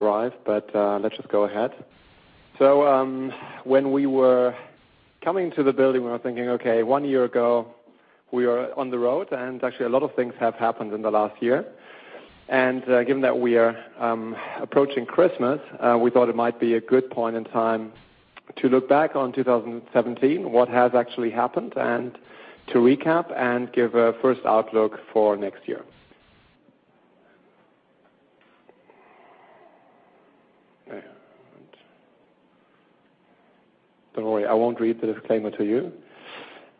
arrive, but let's just go ahead. When we were coming to the building, we were thinking, okay, one year ago, we are on the road. Actually a lot of things have happened in the last year. Given that we are approaching Christmas, we thought it might be a good point in time to look back on 2017, what has actually happened, and to recap and give a first outlook for next year. Don't worry, I won't read the disclaimer to you.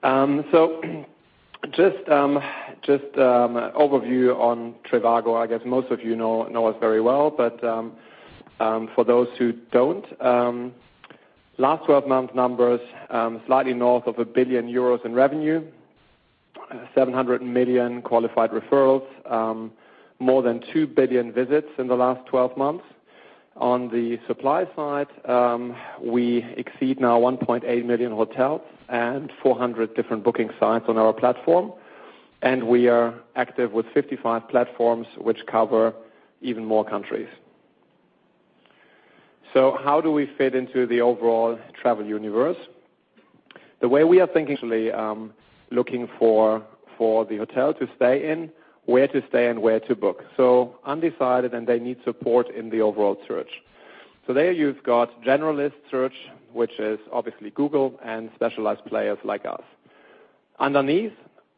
Just overview on trivago. I guess most of you know us very well, but for those who don't, last 12 months numbers, slightly north of 1 billion euros in revenue, 700 million qualified referrals. More than 2 billion visits in the last 12 months. On the supply side, we exceed now 1.8 million hotels and 400 different booking sites on our platform, and we are active with 55 platforms which cover even more countries. How do we fit into the overall travel universe? The way we are thinking usually, looking for the hotel to stay in, where to stay, and where to book. Undecided, and they need support in the overall search. There you've got generalist search, which is obviously Google and specialized players like us. Underneath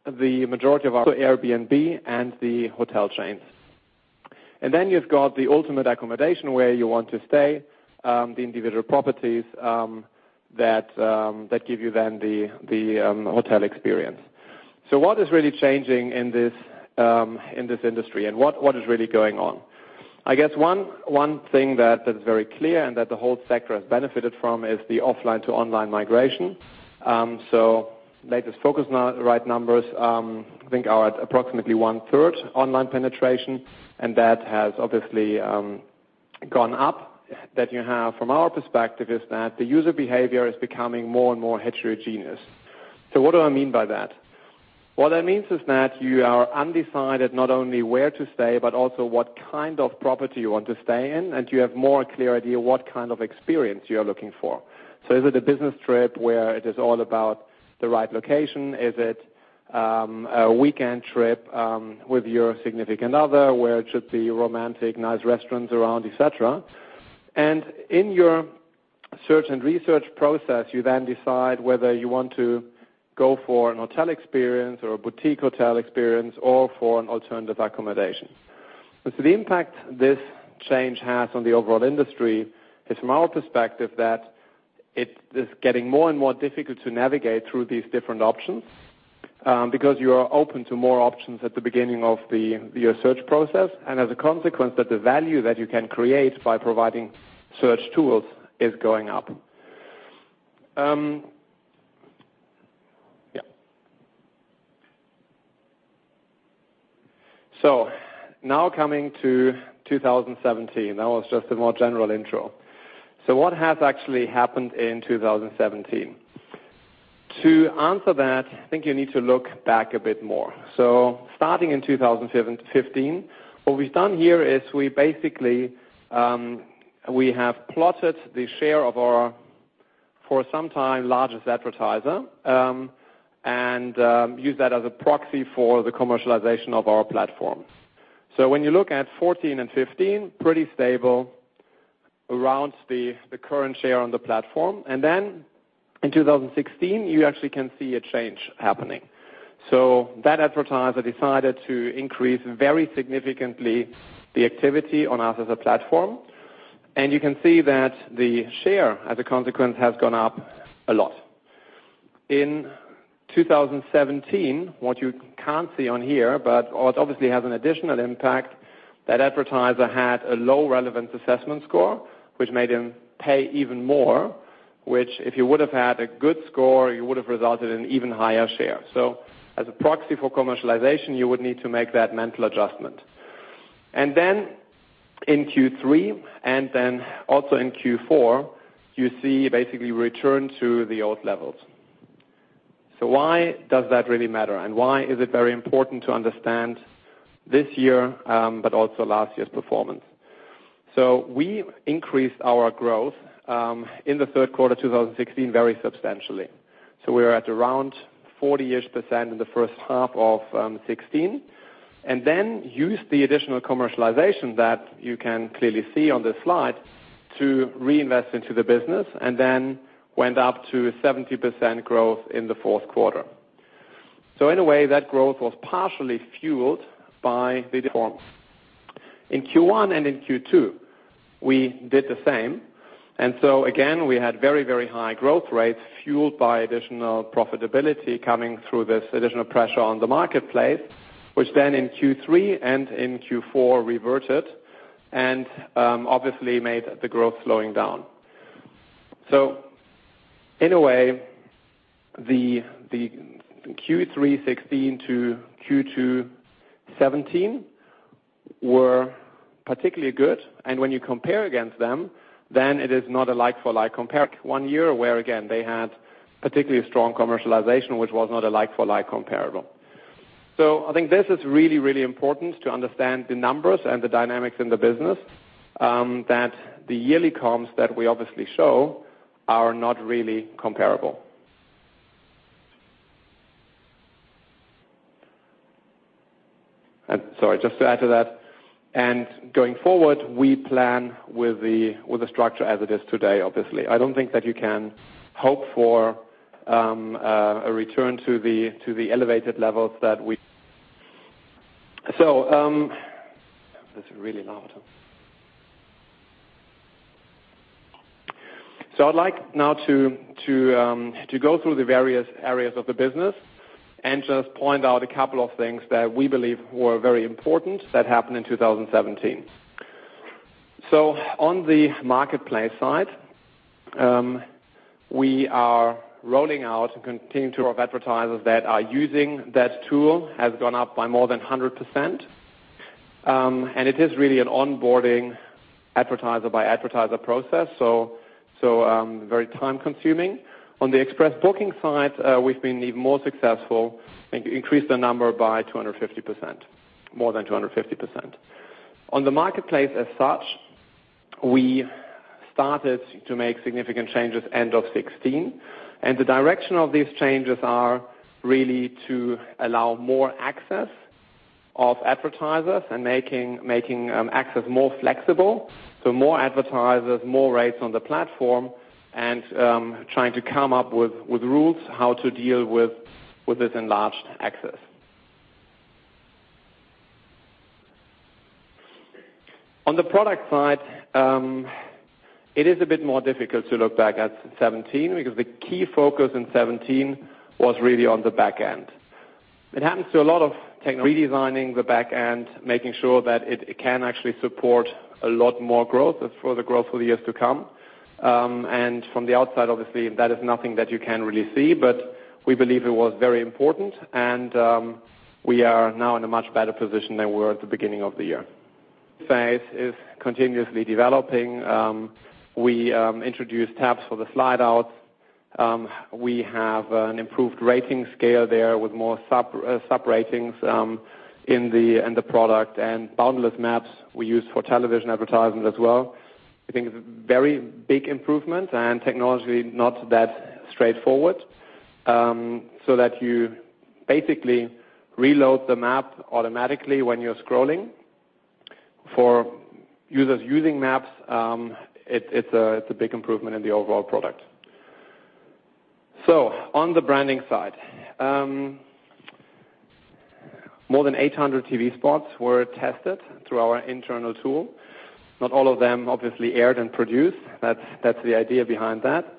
the majority of our Airbnb and the hotel chains. Then you've got the ultimate accommodation where you want to stay, the individual properties, that give you then the hotel experience. What is really changing in this industry and what is really going on? I guess one thing that is very clear and that the whole sector has benefited from is the offline-to-online migration. Latest Phocuswright numbers, I think are at approximately one-third online penetration, and that has obviously gone up. That you have from our perspective, is that the user behavior is becoming more and more heterogeneous. What do I mean by that? What that means is that you are undecided not only where to stay, but also what kind of property you want to stay in, and you have more clear idea what kind of experience you're looking for. Is it a business trip where it is all about the right location? Is it a weekend trip with your significant other where it should be romantic, nice restaurants around, et cetera. In your search and research process, you then decide whether you want to go for an hotel experience or a boutique hotel experience or for an alternative accommodation. The impact this change has on the overall industry is from our perspective, that it is getting more and more difficult to navigate through these different options. Because you are open to more options at the beginning of your search process, and as a consequence, that the value that you can create by providing search tools is going up. Yeah. Now coming to 2017. That was just a more general intro. What has actually happened in 2017? To answer that, I think you need to look back a bit more. Starting in 2015, what we've done here is we basically, we have plotted the share of our, for some time, largest advertiser, and used that as a proxy for the commercialization of our platform. When you look at 2014 and 2015, pretty stable around the current share on the platform. Then in 2016, you actually can see a change happening. That advertiser decided to increase very significantly the activity on us as a platform. You can see that the share as a consequence, has gone up a lot. In 2017, what you can't see on here, but what obviously has an additional impact, that advertiser had a low relevance assessment score, which made him pay even more, which if you would've had a good score, you would've resulted in even higher share. As a proxy for commercialization, you would need to make that mental adjustment. In Q3, and also in Q4, you see basically return to the old levels. Why does that really matter, and why is it very important to understand this year, but also last year's performance? We increased our growth, in the third quarter 2016 very substantially. We are at around 40-ish% in the first half of 2016, and then used the additional commercialization that you can clearly see on this slide to reinvest into the business, and then went up to 70% growth in the fourth quarter. In a way, that growth was partially fueled by the reforms. In Q1 and in Q2 we did the same, again, we had very, very high growth rates fueled by additional profitability coming through this additional pressure on the marketplace, which then in Q3 and in Q4 reverted and obviously made the growth slowing down. In a way, the Q3 2016 to Q2 2017 were particularly good and when you compare against them, then it is not a like-for-like compare one year where again they had particularly strong commercialization, which was not a like-for-like comparable. I think this is really, really important to understand the numbers and the dynamics in the business, that the yearly comps that we obviously show are not really comparable. Sorry, just to add to that, going forward, we plan with the structure as it is today, obviously. I don't think that you can hope for a return to the elevated levels. That's really loud. I'd like now to go through the various areas of the business and just point out a couple of things that we believe were very important that happened in 2017. On the marketplace side, we are rolling out and continuing tool of advertisers that are using that tool has gone up by more than 100%. It is really an onboarding advertiser-by-advertiser process, very time-consuming. On the Express Booking side, we've been even more successful and increased the number by 250%, more than 250%. On the marketplace as such, we started to make significant changes end of 2016, the direction of these changes are really to allow more access of advertisers and making access more flexible. More advertisers, more rates on the platform, and trying to come up with rules how to deal with this enlarged access. On the product side, it is a bit more difficult to look back at 2017 because the key focus in 2017 was really on the back end. Redesigning the back end, making sure that it can actually support a lot more growth, for the growth for the years to come. From the outside, obviously, that is nothing that you can really see, but we believe it was very important and we are now in a much better position than we were at the beginning of the year. Phase is continuously developing. We introduced tabs for the slide out. We have an improved rating scale there with more sub-ratings in the product, and Boundless Maps we use for television advertisements as well. I think it's a very big improvement and technology not that straightforward, so that you basically reload the map automatically when you're scrolling. For users using maps, it's a big improvement in the overall product. On the branding side. More than 800 TV spots were tested through our internal tool. Not all of them, obviously, aired and produced. That's the idea behind that.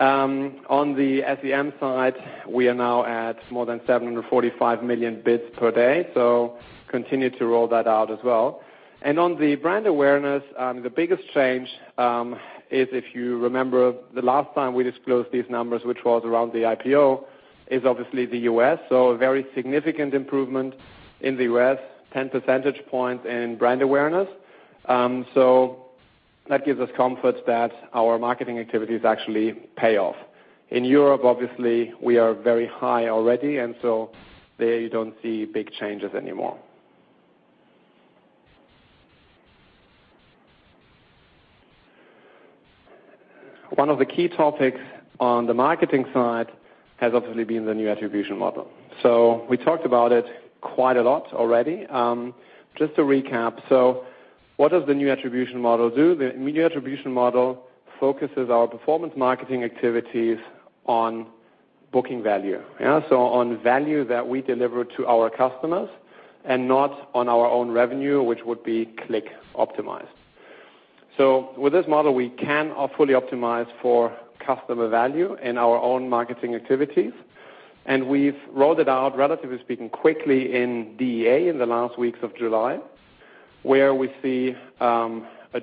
On the SEM side, we are now at more than 745 million bids per day, continue to roll that out as well. On the brand awareness, the biggest change is, if you remember, the last time we disclosed these numbers, which was around the IPO, is obviously the U.S. A very significant improvement in the U.S., 10 percentage points in brand awareness. That gives us comfort that our marketing activities actually pay off. In Europe, obviously, we are very high already, there you don't see big changes anymore. One of the key topics on the marketing side has obviously been the new attribution model. We talked about it quite a lot already. Just to recap, what does the new attribution model do? The new attribution model focuses our performance marketing activities on booking value. Yeah, on value that we deliver to our customers and not on our own revenue, which would be click optimized. With this model, we can fully optimize for customer value in our own marketing activities, and we've rolled it out, relatively speaking, quickly in Developed Europe in the last weeks of July, where we saw in the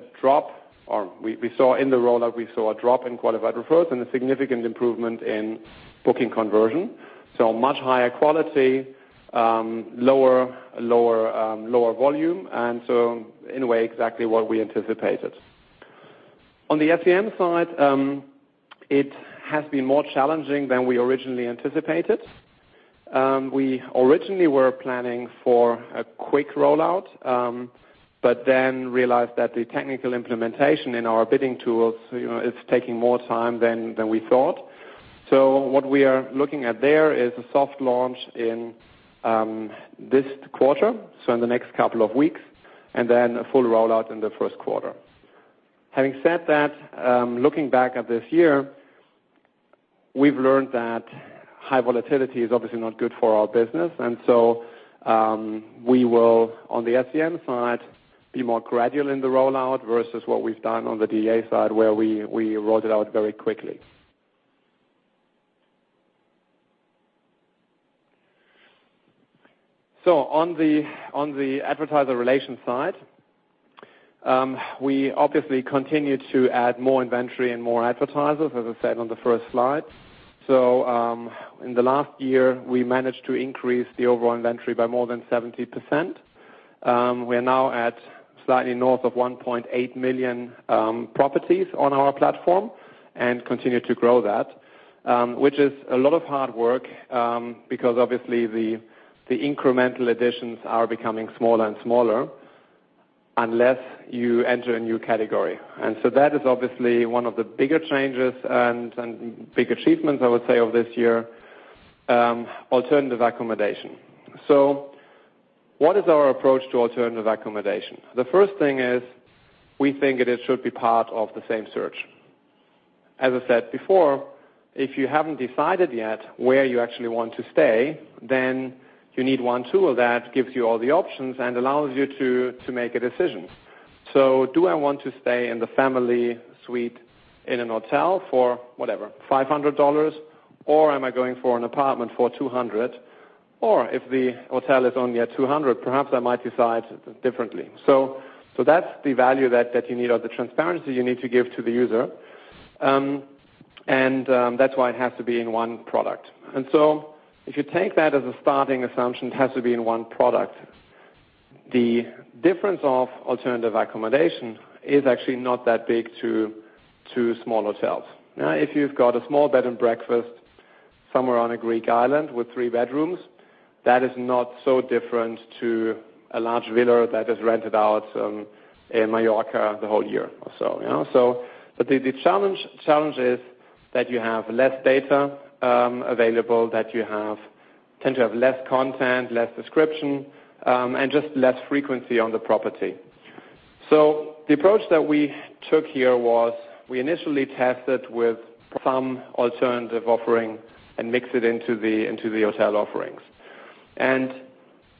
rollout, a drop in qualified referrals and a significant improvement in booking conversion. Much higher quality, lower volume. In a way, exactly what we anticipated. On the SEM side, it has been more challenging than we originally anticipated. We originally were planning for a quick rollout, realized that the technical implementation in our bidding tools is taking more time than we thought. What we are looking at there is a soft launch in this quarter, in the next couple of weeks, and then a full rollout in the first quarter. Having said that, looking back at this year, we've learned that high volatility is obviously not good for our business. We will, on the SEM side, be more gradual in the rollout versus what we've done on the DA side, where we rolled it out very quickly. On the advertiser relations side, we obviously continue to add more inventory and more advertisers, as I said on the first slide. In the last year, we managed to increase the overall inventory by more than 70%. We are now at slightly north of 1.8 million properties on our platform and continue to grow that, which is a lot of hard work, because obviously the incremental additions are becoming smaller and smaller unless you enter a new category. That is obviously one of the bigger changes and bigger achievements, I would say, of this year, alternative accommodation. What is our approach to alternative accommodation? The first thing is we think that it should be part of the same search. As I said before, if you haven't decided yet where you actually want to stay, then you need one tool that gives you all the options and allows you to make a decision. Do I want to stay in the family suite in a hotel for whatever, EUR 500, or am I going for an apartment for 200? Or if the hotel is only at 200, perhaps I might decide differently. That's the value that you need, or the transparency you need to give to the user, and that's why it has to be in one product. If you take that as a starting assumption, it has to be in one product. The difference of alternative accommodation is actually not that big to small hotels. Now, if you've got a small bed and breakfast somewhere on a Greek island with three bedrooms, that is not so different to a large villa that is rented out in Mallorca the whole year or so. The challenge is that you have less data available, that you tend to have less content, less description, and just less frequency on the property. The approach that we took here was we initially tested with some alternative offering and mix it into the hotel offerings and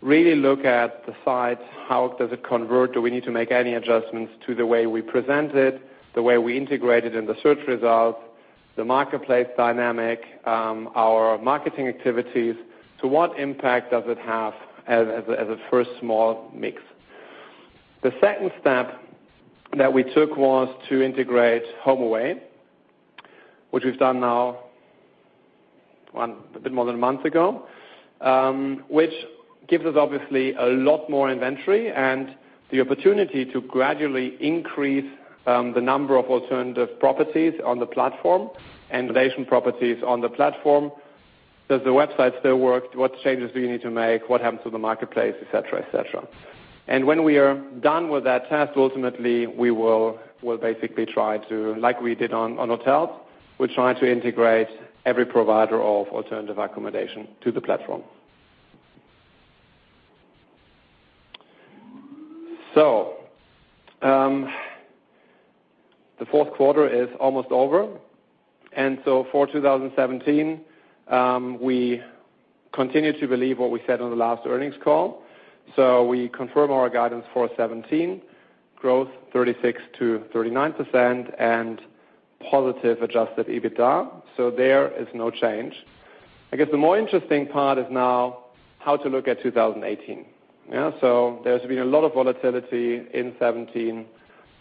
really look at the site, how does it convert, do we need to make any adjustments to the way we present it, the way we integrate it in the search results, the marketplace dynamic, our marketing activities? What impact does it have as a first small mix? The second step that we took was to integrate HomeAway, which we've done now a bit more than a month ago, which gives us obviously a lot more inventory and the opportunity to gradually increase the number of alternative properties on the platform and relation properties on the platform. Does the website still work? What changes do you need to make? What happens to the marketplace, et cetera. When we are done with that test, ultimately we will basically try to, like we did on hotels, we try to integrate every provider of alternative accommodation to the platform. The fourth quarter is almost over. For 2017, we continue to believe what we said on the last earnings call. We confirm our guidance for 2017, growth 36%-39% and positive Adjusted EBITDA. There is no change. I guess the more interesting part is now how to look at 2018. There's been a lot of volatility in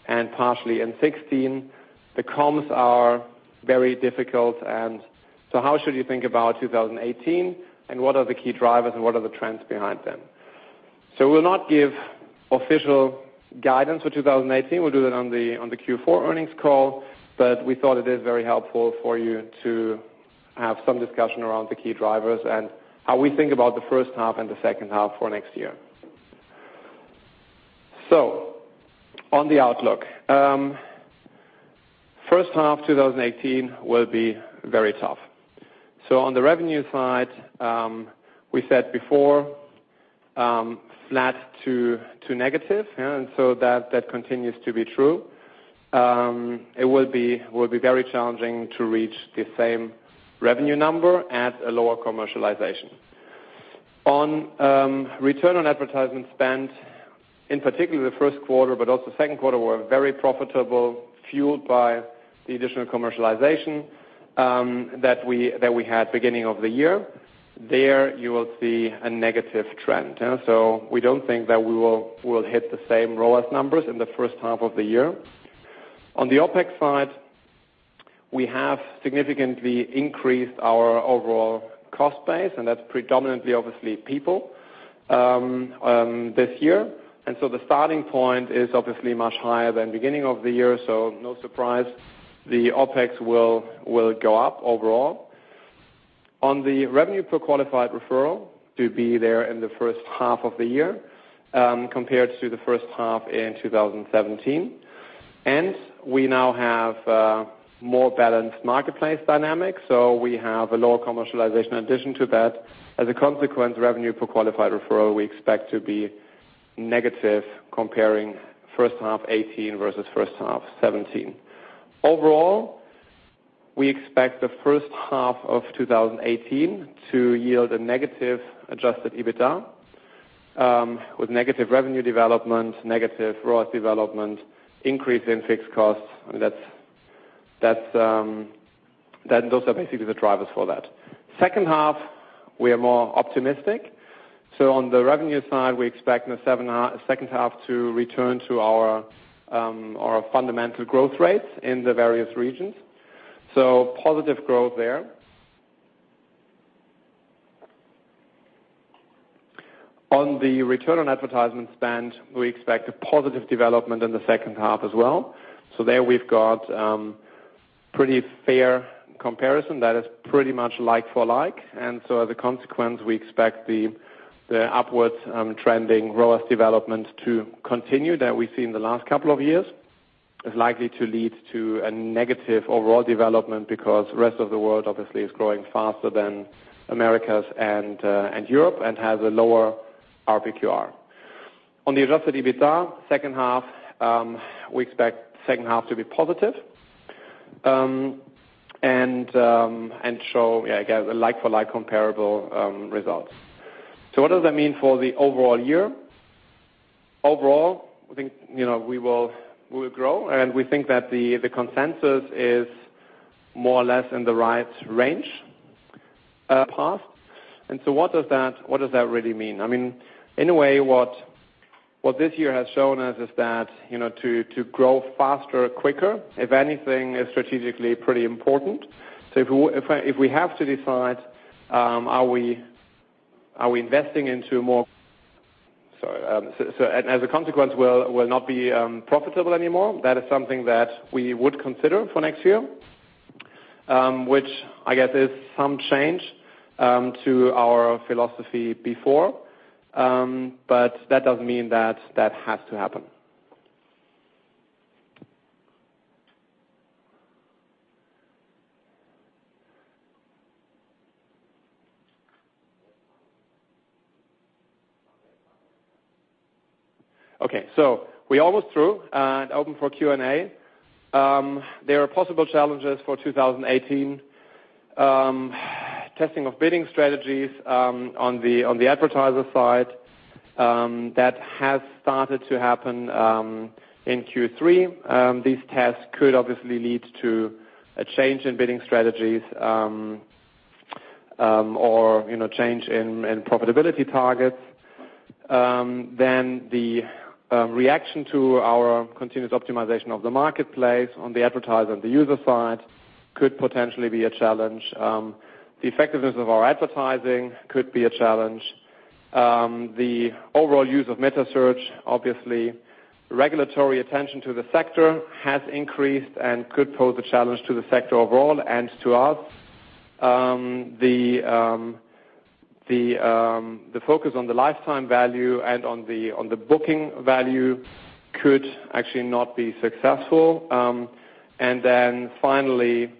2017 and partially in 2016. The comps are very difficult. How should you think about 2018? What are the key drivers and what are the trends behind them? We'll not give official guidance for 2018. We'll do that on the Q4 earnings call, but we thought it is very helpful for you to have some discussion around the key drivers and how we think about the first half and the second half for next year. On the outlook. First half 2018 will be very tough. On the revenue side, we said before flat to negative. That continues to be true. It will be very challenging to reach the same revenue number at a lower commercialization. On return on advertisement spend, in particular the first quarter, but also second quarter, were very profitable, fueled by the additional commercialization that we had beginning of the year. There you will see a negative trend. We don't think that we will hit the same ROAS numbers in the first half of the year. On the OpEx side, we have significantly increased our overall cost base, and that's predominantly obviously people this year. The starting point is obviously much higher than beginning of the year, so no surprise the OpEx will go up overall. On the revenue per qualified referral to be there in the first half of the year compared to the first half in 2017. We now have a more balanced marketplace dynamic, so we have a lower commercialization addition to that. As a consequence, revenue per qualified referral we expect to be negative comparing first half 2018 versus first half 2017. Overall, we expect the first half of 2018 to yield a negative Adjusted EBITDA, with negative revenue development, negative ROAS development, increase in fixed costs. Those are basically the drivers for that. Second half, we are more optimistic. On the revenue side, we expect in the second half to return to our fundamental growth rates in the various regions. Positive growth there. On the return on advertisement spend, we expect a positive development in the second half as well. There we've got pretty fair comparison that is pretty much like for like. As a consequence, we expect the upwards trending ROAS development to continue that we've seen the last couple of years. It's likely to lead to a negative overall development because the rest of the world, obviously, is growing faster than Americas and Europe, and has a lower RPQR. On the Adjusted EBITDA, we expect second half to be positive, and show, I guess, a like-for-like comparable results. What does that mean for the overall year? Overall, I think, we will grow, and we think that the consensus is more or less in the right range, path. What does that really mean? In a way, what this year has shown us is that to grow faster, quicker, if anything, is strategically pretty important. If we have to decide, are we investing into Sorry. As a consequence, we'll not be profitable anymore. That is something that we would consider for next year, which I guess is some change to our philosophy before. That doesn't mean that that has to happen. Okay. We're almost through, and open for Q&A. There are possible challenges for 2018. Testing of bidding strategies on the advertiser side, that has started to happen, in Q3. These tests could obviously lead to a change in bidding strategies, or change in profitability targets. The reaction to our continuous optimization of the marketplace on the advertiser and the user side could potentially be a challenge. The effectiveness of our advertising could be a challenge. The overall use of metasearch, obviously. Regulatory attention to the sector has increased and could pose a challenge to the sector overall and to us. The focus on the lifetime value and on the booking value could actually not be successful. Finally,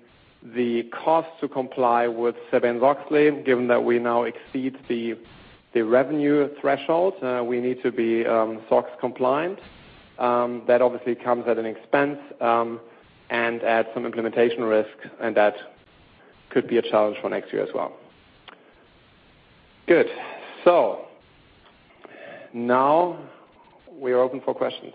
the cost to comply with Sarbanes–Oxley, given that we now exceed the revenue threshold, we need to be SOX compliant. That obviously comes at an expense, and adds some implementation risk, and that could be a challenge for next year as well. Good. Now we are open for questions.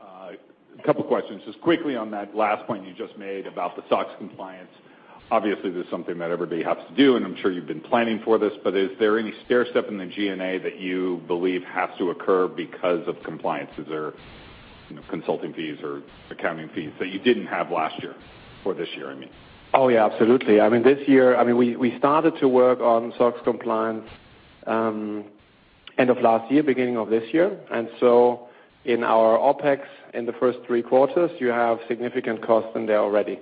A couple of questions. Just quickly on that last point you just made about the SOX compliance, obviously, this is something that everybody has to do, and I'm sure you've been planning for this. Is there any stair step in the G&A that you believe has to occur because of compliance? Is there consulting fees or accounting fees that you didn't have last year, for this year, I mean? Yeah, absolutely. This year, we started to work on SOX compliance, end of last year, beginning of this year. In our OpEx in the first three quarters, you have significant costs in there already.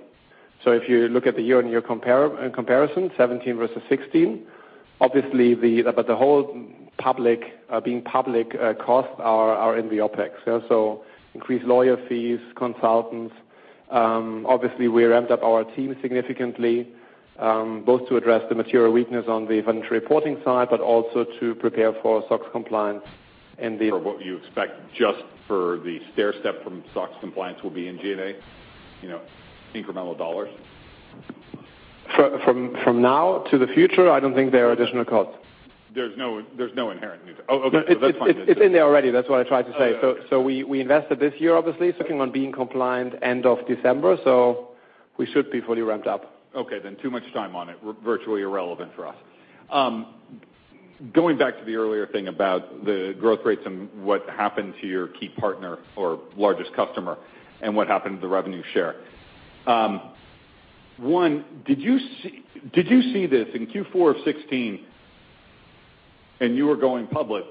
If you look at the year-on-year comparison 2017 versus 2016, obviously, but the whole being public costs are in the OpEx. Increased lawyer fees, consultants. Obviously, we ramped up our team significantly, both to address the material weakness on the voluntary reporting side, but also to prepare for SOX compliance. What you expect just for the stairstep from SOX compliance will be in G&A? Incremental dollars? From now to the future, I don't think there are additional costs. There's no inherent new. Oh, okay. That's fine then. It's in there already. That's what I tried to say. Oh, okay. We invested this year, obviously, looking on being compliant end of December. We should be fully ramped up. Okay, too much time on it. Virtually irrelevant for us. Going back to the earlier thing about the growth rates and what happened to your key partner or largest customer and what happened to the revenue share. One, did you see this in Q4 of 2016 and you were going public,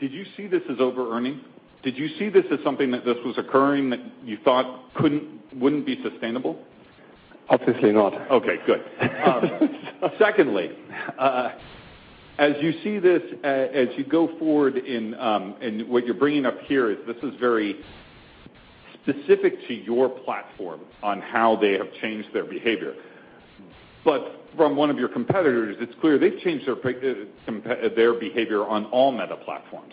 did you see this as over-earning? Did you see this as something that this was occurring that you thought wouldn't be sustainable? Obviously not. Okay, good. Secondly, as you see this, as you go forward in, what you're bringing up here is this is very specific to your platform on how they have changed their behavior. From one of your competitors, it's clear they've changed their behavior on all meta platforms.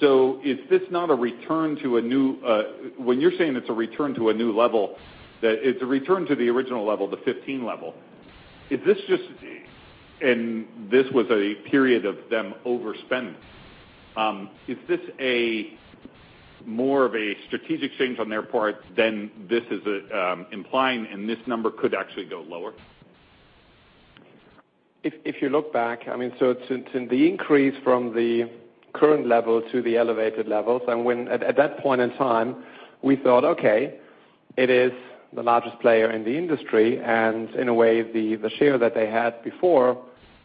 Is this not a return to a new level, when you're saying it's a return to a new level, that it's a return to the original level, the 2015 level. This was a period of them overspending. Is this a more of a strategic change on their part than this is implying and this number could actually go lower? If you look back, so the increase from the current level to the elevated levels, and when at that point in time, we thought, okay, it is the largest player in the industry, and in a way, the share that they had before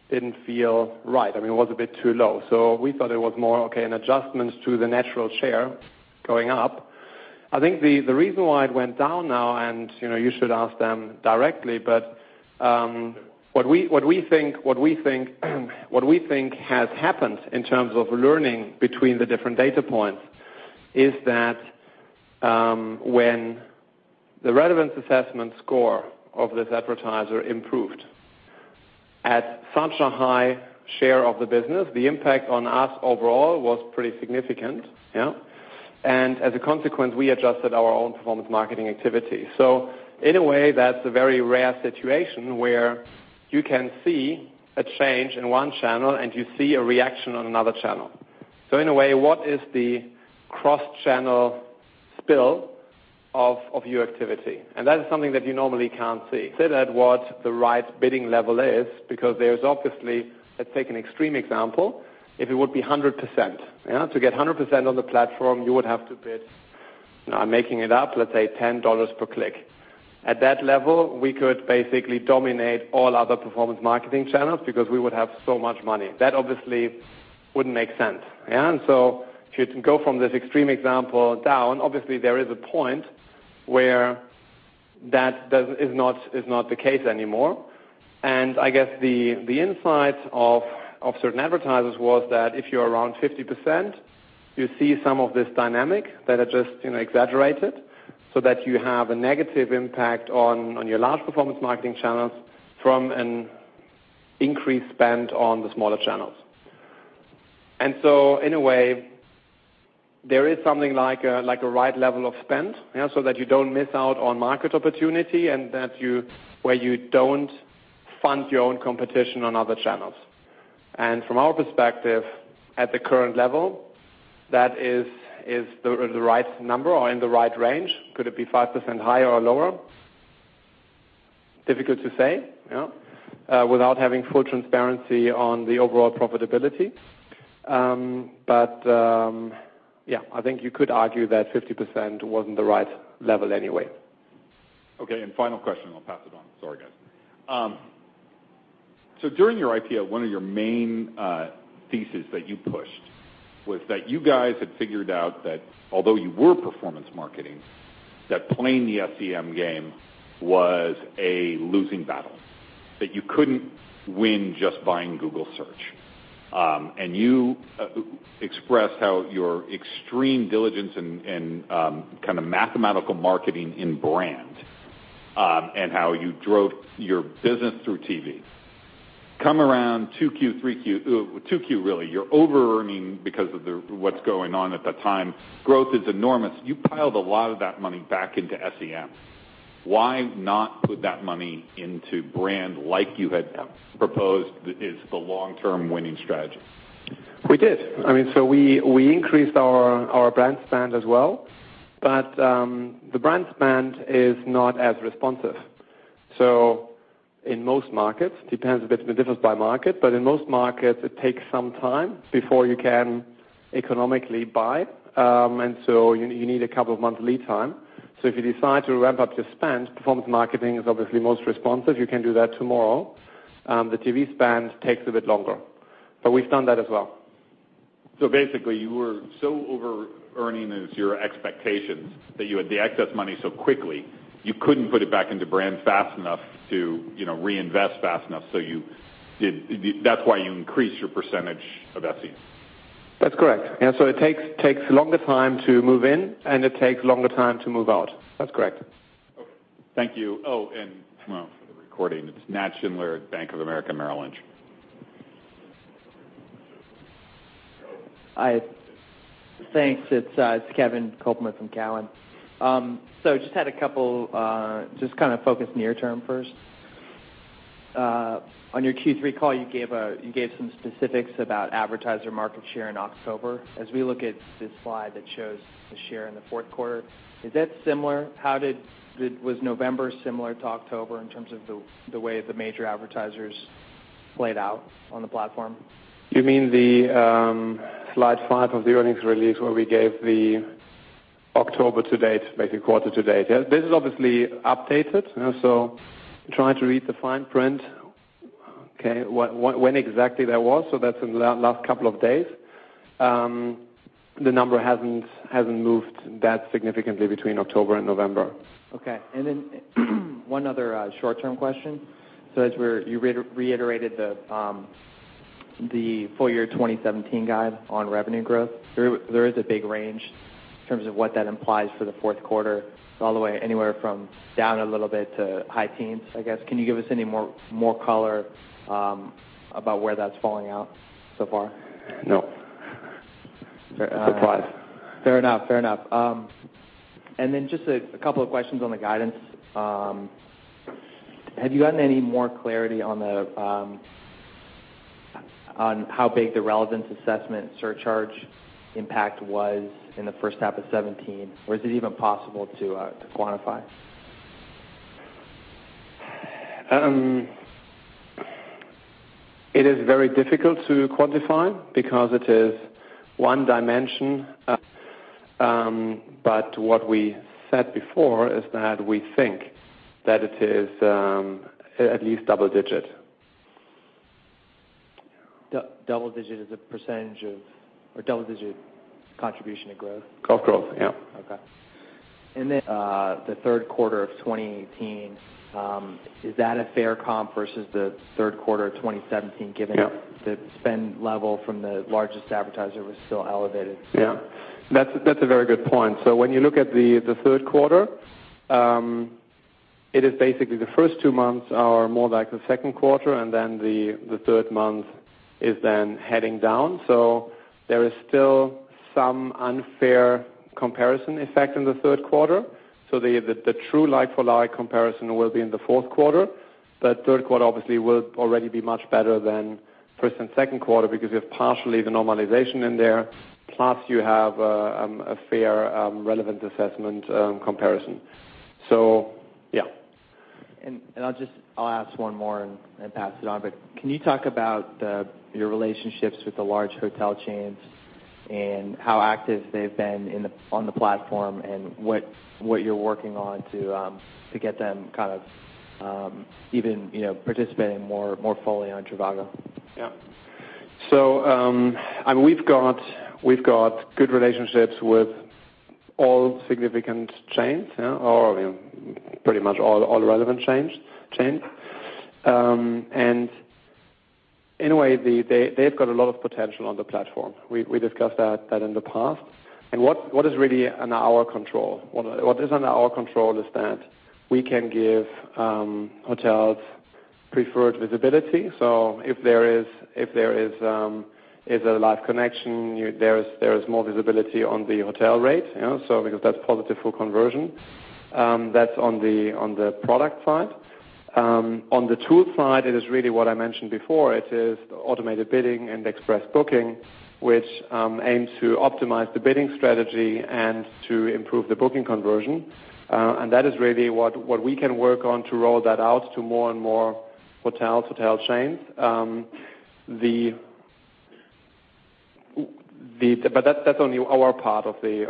didn't feel right. I mean, it was a bit too low. We thought it was more, okay, an adjustment to the natural share going up. I think the reason why it went down now, and you should ask them directly, but what we think has happened in terms of learning between the different data points is that when the relevance assessment score of this advertiser improved at such a high share of the business, the impact on us overall was pretty significant. Yeah. As a consequence, we adjusted our own performance marketing activity. In a way, that's a very rare situation where you can see a change in one channel, and you see a reaction on another channel. In a way, what is the cross-channel spill of your activity? That is something that you normally can't see. Say that what the right bidding level is because there's obviously, let's take an extreme example. If it would be 100%, yeah, to get 100% on the platform, you would have to bid, I'm making it up, let's say EUR 10 per click. At that level, we could basically dominate all other performance marketing channels because we would have so much money. That obviously wouldn't make sense. Yeah. If you go from this extreme example down, obviously, there is a point where that is not the case anymore. I guess the insight of certain advertisers was that if you're around 50%, you see some of this dynamic that I just exaggerated, so that you have a negative impact on your large performance marketing channels from an increased spend on the smaller channels. In a way, there is something like a right level of spend, yeah, so that you don't miss out on market opportunity and that where you don't fund your own competition on other channels. From our perspective, at the current level, that is the right number or in the right range. Could it be 5% higher or lower? Difficult to say, yeah, without having full transparency on the overall profitability. Yeah, I think you could argue that 50% wasn't the right level anyway. Final question, I'll pass it on. Sorry, guys. During your IPO, one of your main thesis that you pushed was that you guys had figured out that although you were performance marketing, that playing the SEM game was a losing battle, that you couldn't win just buying Google Search. You expressed how your extreme diligence and kind of mathematical marketing in brand, and how you drove your business through TV. Come around 2Q, 3Q, 2Q, really, you're over-earning because of what's going on at that time. Growth is enormous. You piled a lot of that money back into SEM. Why not put that money into brand like you had proposed is the long-term winning strategy? We did. I mean, we increased our brand spend as well, but the brand spend is not as responsive. In most markets, depends, there's a difference by market, but in most markets, it takes some time before you can economically buy. You need a couple of months lead time. If you decide to ramp up your spend, performance marketing is obviously most responsive. You can do that tomorrow. The TV spend takes a bit longer. We've done that as well. Basically, you were so over-earning as your expectations that you had the excess money so quickly, you couldn't put it back into brand fast enough to reinvest fast enough. That's why you increased your percentage of SEM. That's correct. Yeah. It takes a longer time to move in, and it takes a longer time to move out. That's correct. Well, for the recording, it's Nat Schindler at Bank of America Merrill Lynch. Thanks. It's Kevin Kopelman from Cowen. Just had a couple, just kind of focused near term first. On your Q3 call, you gave some specifics about advertiser market share in October. As we look at the slide that shows the share in the fourth quarter, is that similar? Was November similar to October in terms of the way the major advertisers played out on the platform? You mean the slide five of the earnings release where we gave the October to date, basically quarter to date. This is obviously updated. Try to read the fine print. When exactly that was. That's in the last couple of days. The number hasn't moved that significantly between October and November. Then one other short-term question. As you reiterated the full year 2017 guide on revenue growth, there is a big range in terms of what that implies for the fourth quarter, all the way anywhere from down a little bit to high teens. Can you give us any more color about where that's falling out so far? No. It's a slide. Fair enough. Just a couple of questions on the guidance. Have you gotten any more clarity on how big the relevance assessment surcharge impact was in the first half of 2017, or is it even possible to quantify? It is very difficult to quantify because it is one dimension. What we said before is that we think that it is at least double digit. Double digit as a percentage or double digit contribution to growth? Growth. Yeah. Okay. The third quarter of 2018, is that a fair comp versus the third quarter of 2017, given- Yeah the spend level from the largest advertiser was still elevated. Yeah. That's a very good point. When you look at the third quarter, it is basically the first two months are more like the second quarter, the third month is then heading down. There is still some unfair comparison effect in the third quarter. The true like-for-like comparison will be in the fourth quarter. Third quarter obviously will already be much better than first and second quarter because you have partially the normalization in there. Plus you have a fair relevance assessment comparison. Yeah. I'll ask one more and pass it on. Can you talk about your relationships with the large hotel chains and how active they've been on the platform and what you're working on to get them even participating more fully on trivago? Yeah. We've got good relationships with all significant chains. Pretty much all relevant chains. In a way, they've got a lot of potential on the platform. We discussed that in the past. What is really under our control? What is under our control is that we can give hotels preferred visibility. If there is a live connection, there is more visibility on the hotel rate. Because that's positive for conversion. That's on the product side. On the tool side, it is really what I mentioned before. It is automated bidding and Express Booking, which aims to optimize the bidding strategy and to improve the booking conversion. That is really what we can work on to roll that out to more and more hotels, hotel chains. That's only our part of the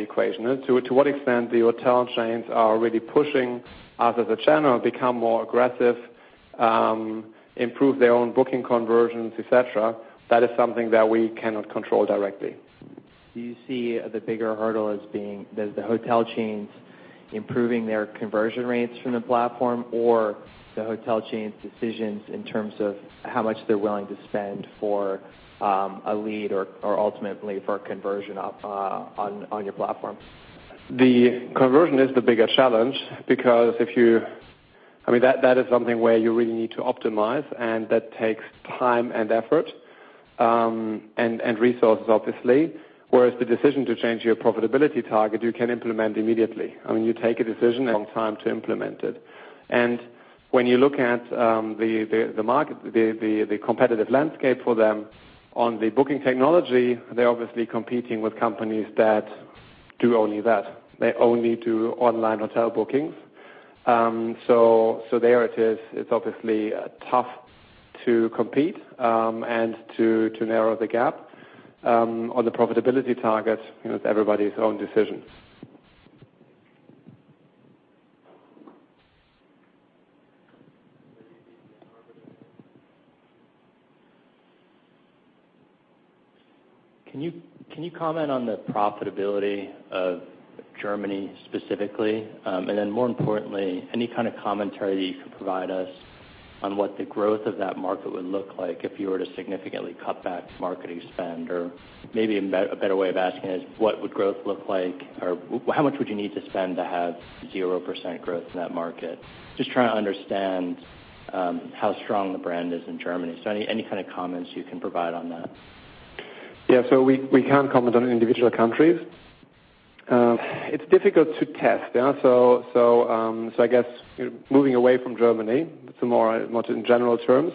equation. To what extent the hotel chains are really pushing us as a channel, become more aggressive, improve their own booking conversions, et cetera, that is something that we cannot control directly. Do you see the bigger hurdle as being the hotel chains improving their conversion rates from the platform, or the hotel chains decisions in terms of how much they're willing to spend for a lead or ultimately for a conversion on your platform? The conversion is the bigger challenge because that is something where you really need to optimize, and that takes time and effort, and resources, obviously. Whereas the decision to change your profitability target, you can implement immediately. I mean, you take a decision and time to implement it. When you look at the market, the competitive landscape for them on the booking technology, they're obviously competing with companies that do only that. They only do online hotel bookings. There it is obviously tough to compete, and to narrow the gap. On the profitability target, it's everybody's own decision. Can you comment on the profitability of Germany specifically? More importantly, any kind of commentary that you could provide us on what the growth of that market would look like if you were to significantly cut back marketing spend? Maybe a better way of asking is, what would growth look like or how much would you need to spend to have 0% growth in that market? Just trying to understand how strong the brand is in Germany. Any kind of comments you can provide on that. We can't comment on individual countries. It's difficult to test. I guess moving away from Germany to more in general terms.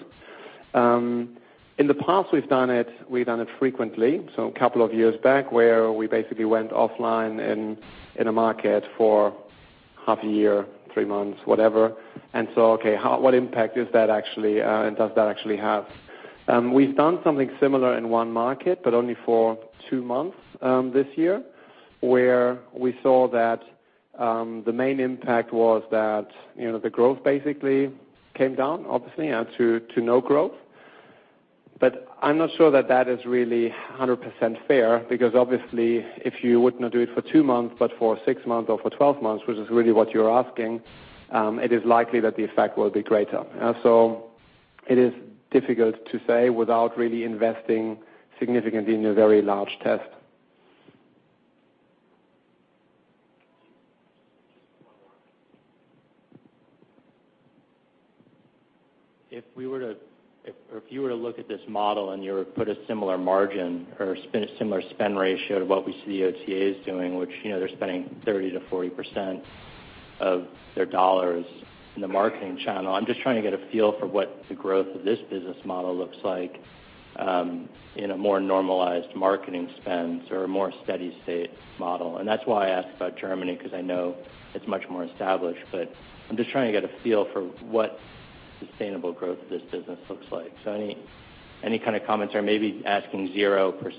In the past, we've done it frequently. A couple of years back where we basically went offline in a market for half a year, three months, whatever. Okay, what impact does that actually have? We've done something similar in one market, but only for two months, this year, where we saw that the main impact was that the growth basically came down obviously to no growth. I'm not sure that that is really 100% fair because obviously if you would not do it for two months, but for six months or for 12 months, which is really what you're asking, it is likely that the effect will be greater. It is difficult to say without really investing significantly in a very large test. If you were to look at this model and you were to put a similar margin or similar spend ratio to what we see the OTAs doing, which they're spending 30%-40% Of their dollars in the marketing channel. I'm just trying to get a feel for what the growth of this business model looks like in a more normalized marketing spend or a more steady state model. That's why I asked about Germany, because I know it's much more established, but I'm just trying to get a feel for what sustainable growth of this business looks like. Any kind of comments, or maybe asking 0%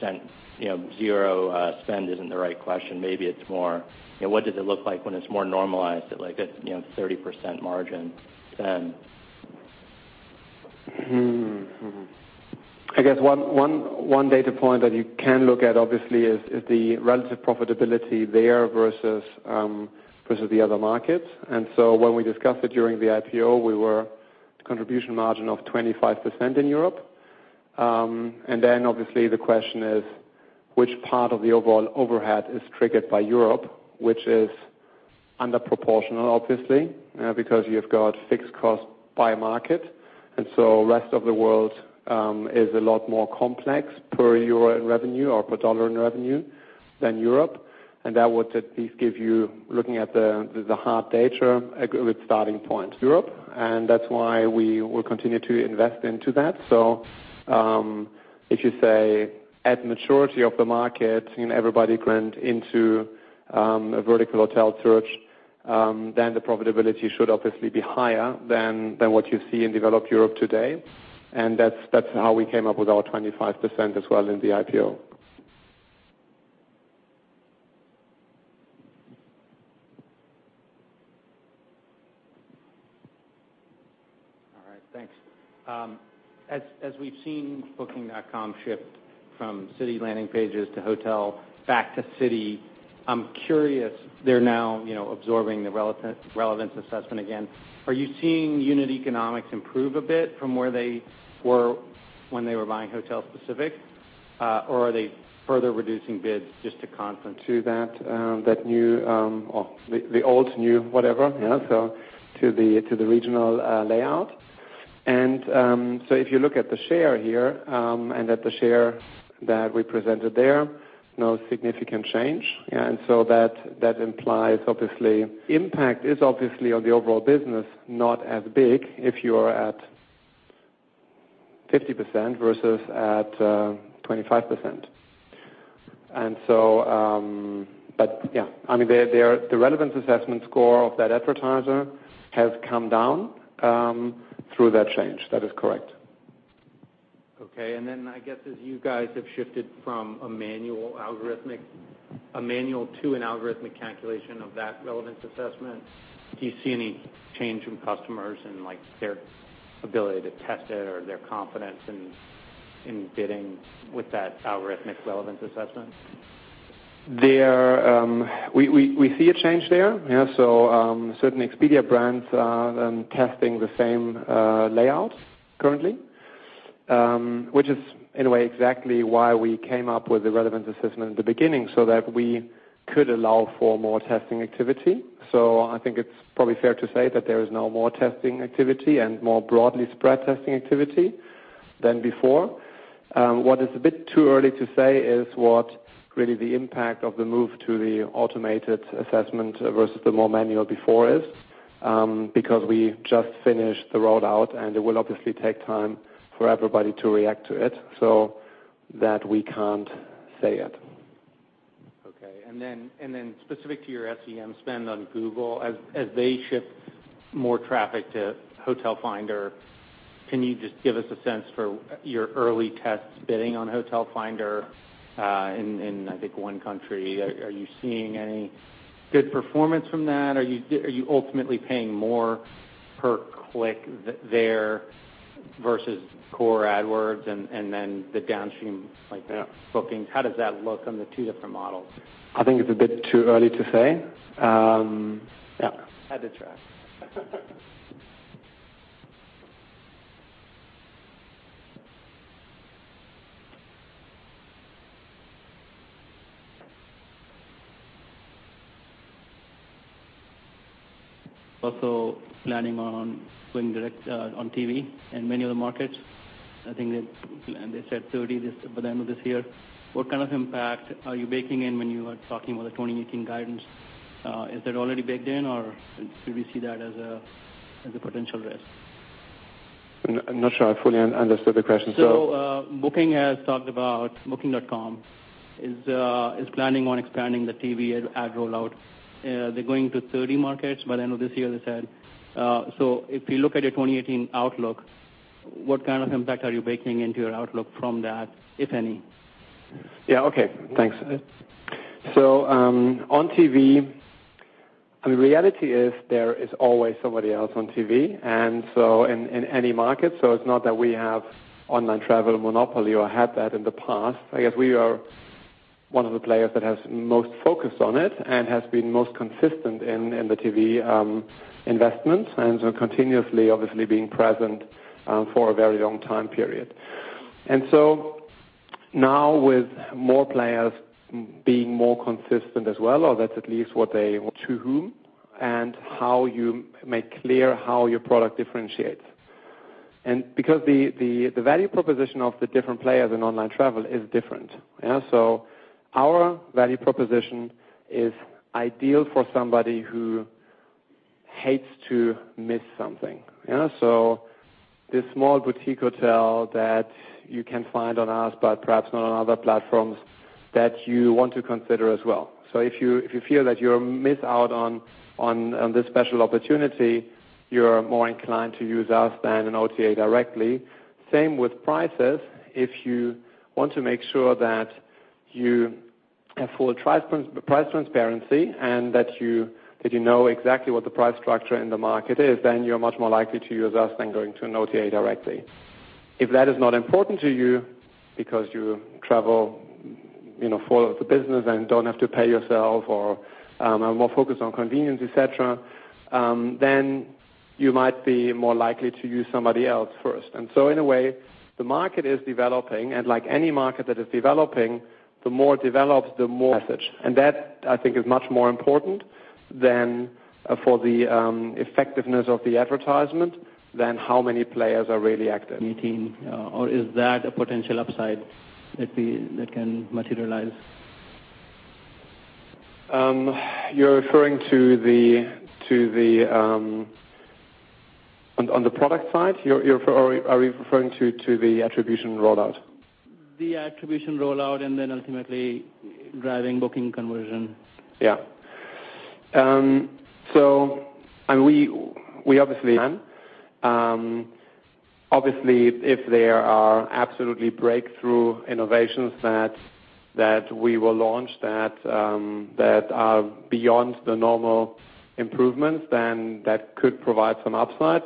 spend isn't the right question. Maybe it's more, what does it look like when it's more normalized at a 30% margin spend? I guess one data point that you can look at obviously is the relative profitability there versus the other markets. When we discussed it during the IPO, we were at a contribution margin of 25% in Europe. Then obviously the question is, which part of the overall overhead is triggered by Europe? Which is under proportional, obviously, because you've got fixed costs by market, rest of the world is a lot more complex per EUR in revenue or per USD in revenue than Europe. That would at least give you, looking at the hard data, a good starting point. Europe, that's why we will continue to invest into that. If you say at maturity of the market, everybody went into a vertical hotel search, then the profitability should obviously be higher than what you see in Developed Europe today. That's how we came up with our 25% as well in the IPO. All right. Thanks. As we've seen Booking.com shift from city landing pages to hotel back to city, I'm curious, they're now absorbing the relevance assessment again. Are you seeing unit economics improve a bit from where they were when they were buying hotel specific? Or are they further reducing bids just to compensate? To that new, or the alt new, whatever. Yeah. To the regional layout. If you look at the share here, and at the share that we presented there, no significant change. That implies obviously, impact is obviously on the overall business, not as big if you are at 50% versus at 25%. But yeah, the relevance assessment score of that advertiser has come down through that change. That is correct. Okay, I guess as you guys have shifted from a manual to an algorithmic calculation of that relevance assessment, do you see any change from customers in their ability to test it or their confidence in bidding with that algorithmic relevance assessment? We see a change there. Yeah. Certain Expedia brands are testing the same layout currently. Which is in a way exactly why we came up with the relevance assessment in the beginning so that we could allow for more testing activity. I think it's probably fair to say that there is now more testing activity and more broadly spread testing activity than before. What is a bit too early to say is what really the impact of the move to the automated assessment versus the more manual before is, because we just finished the rollout, and it will obviously take time for everybody to react to it. That we can't say yet. Okay. Then specific to your SEM spend on Google, as they shift more traffic to Hotel Finder, can you just give us a sense for your early tests bidding on Hotel Finder in, I think, one country. Are you seeing any good performance from that? Are you ultimately paying more per click there versus core AdWords and then the downstream. Yeah booking? How does that look on the two different models? I think it's a bit too early to say. Yeah. Had to try. Planning on going direct on TV in many other markets. I think they said 30 by the end of this year. What kind of impact are you baking in when you are talking about the 2018 guidance? Is that already baked in or should we see that as a potential risk? I'm not sure I fully understood the question. Booking has talked about Booking.com is planning on expanding the TV ad rollout. They're going to 30 markets by the end of this year, they said. If we look at your 2018 outlook, what kind of impact are you baking into your outlook from that, if any? Yeah. Okay. Thanks. On TV, the reality is there is always somebody else on TV, in any market, it's not that we have online travel monopoly or had that in the past. I guess we are one of the players that has most focused on it and has been most consistent in the TV investments continuously obviously being present for a very long time period. Now with more players being more consistent as well, or that's at least what they To whom and how you make clear how your product differentiates Because the value proposition of the different players in online travel is different. Our value proposition is ideal for somebody who hates to miss something. This small boutique hotel that you can find on us, but perhaps not on other platforms that you want to consider as well. If you feel that you're missed out on this special opportunity, you're more inclined to use us than an OTA directly. Same with prices. If you want to make sure that you have full price transparency and that you know exactly what the price structure in the market is, then you're much more likely to use us than going to an OTA directly. If that is not important to you because you travel for the business and don't have to pay yourself or are more focused on convenience, et cetera, then you might be more likely to use somebody else first. In a way, the market is developing and like any market that is developing, the more developed, the more Message. That, I think, is much more important than for the effectiveness of the advertisement than how many players are really active. Meeting, or is that a potential upside that can materialize? You're referring to the product side? Are we referring to the attribution rollout? The attribution rollout ultimately driving booking conversion. We obviously plan. If there are absolutely breakthrough innovations that we will launch that are beyond the normal improvements, then that could provide some upside.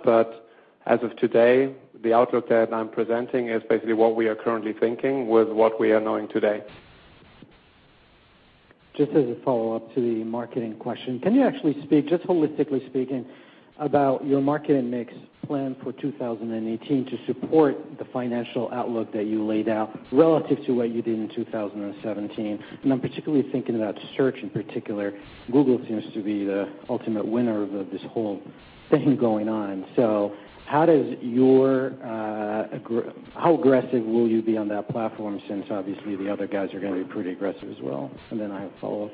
As of today, the outlook that I'm presenting is basically what we are currently thinking with what we are knowing today. Just as a follow-up to the marketing question, can you actually speak, just holistically speaking, about your marketing mix plan for 2018 to support the financial outlook that you laid out relative to what you did in 2017? I'm particularly thinking about search in particular. Google seems to be the ultimate winner of this whole thing going on. How aggressive will you be on that platform, since obviously the other guys are going to be pretty aggressive as well? I have a follow-up.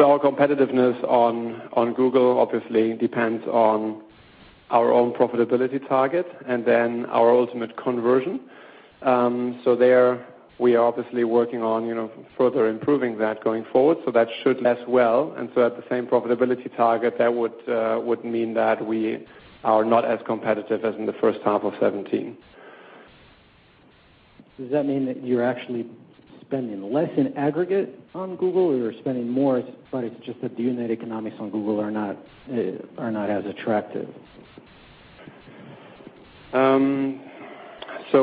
Our competitiveness on Google obviously depends on our own profitability target and then our ultimate conversion. There, we are obviously working on further improving that going forward. That should less well, at the same profitability target, that would mean that we are not as competitive as in the first half of 2017. Does that mean that you're actually spending less in aggregate on Google or you're spending more, but it's just that the unit economics on Google are not as attractive?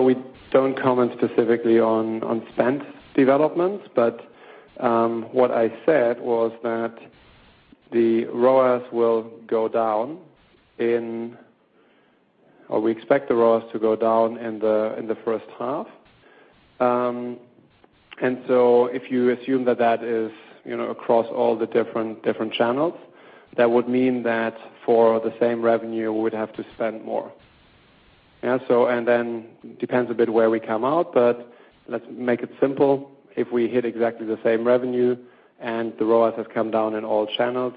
We don't comment specifically on spend developments, but what I said was that the ROAS will go down or we expect the ROAS to go down in the first half. If you assume that that is across all the different channels, that would mean that for the same revenue, we would have to spend more. Then depends a bit where we come out, but let's make it simple. If we hit exactly the same revenue and the ROAS has come down in all channels,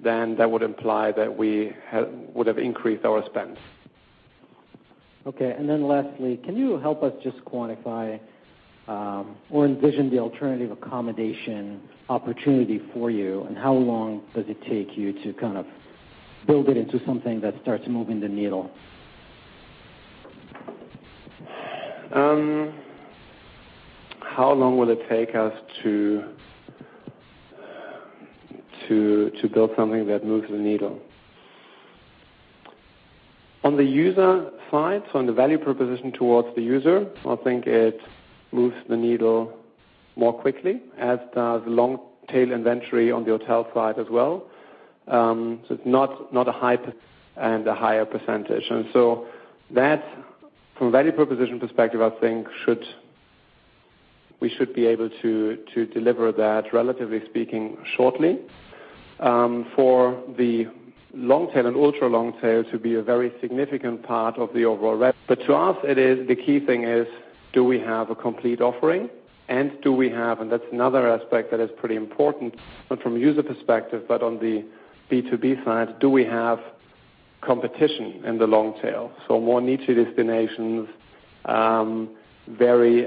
that would imply that we would have increased our spend. Okay. Then lastly, can you help us just quantify or envision the alternative accommodation opportunity for you? How long does it take you to build it into something that starts moving the needle? How long will it take us to build something that moves the needle? On the user side, on the value proposition towards the user, I think it moves the needle more quickly, as does long-tail inventory on the hotel side as well. It's not a high and a higher percentage. That from a value proposition perspective, I think we should be able to deliver that, relatively speaking, shortly for the long-tail and ultra long-tail to be a very significant part of the overall rev. To us, the key thing is do we have a complete offering and do we have, and that's another aspect that is pretty important, not from a user perspective, but on the B2B side, do we have competition in the long tail? More niche destinations, very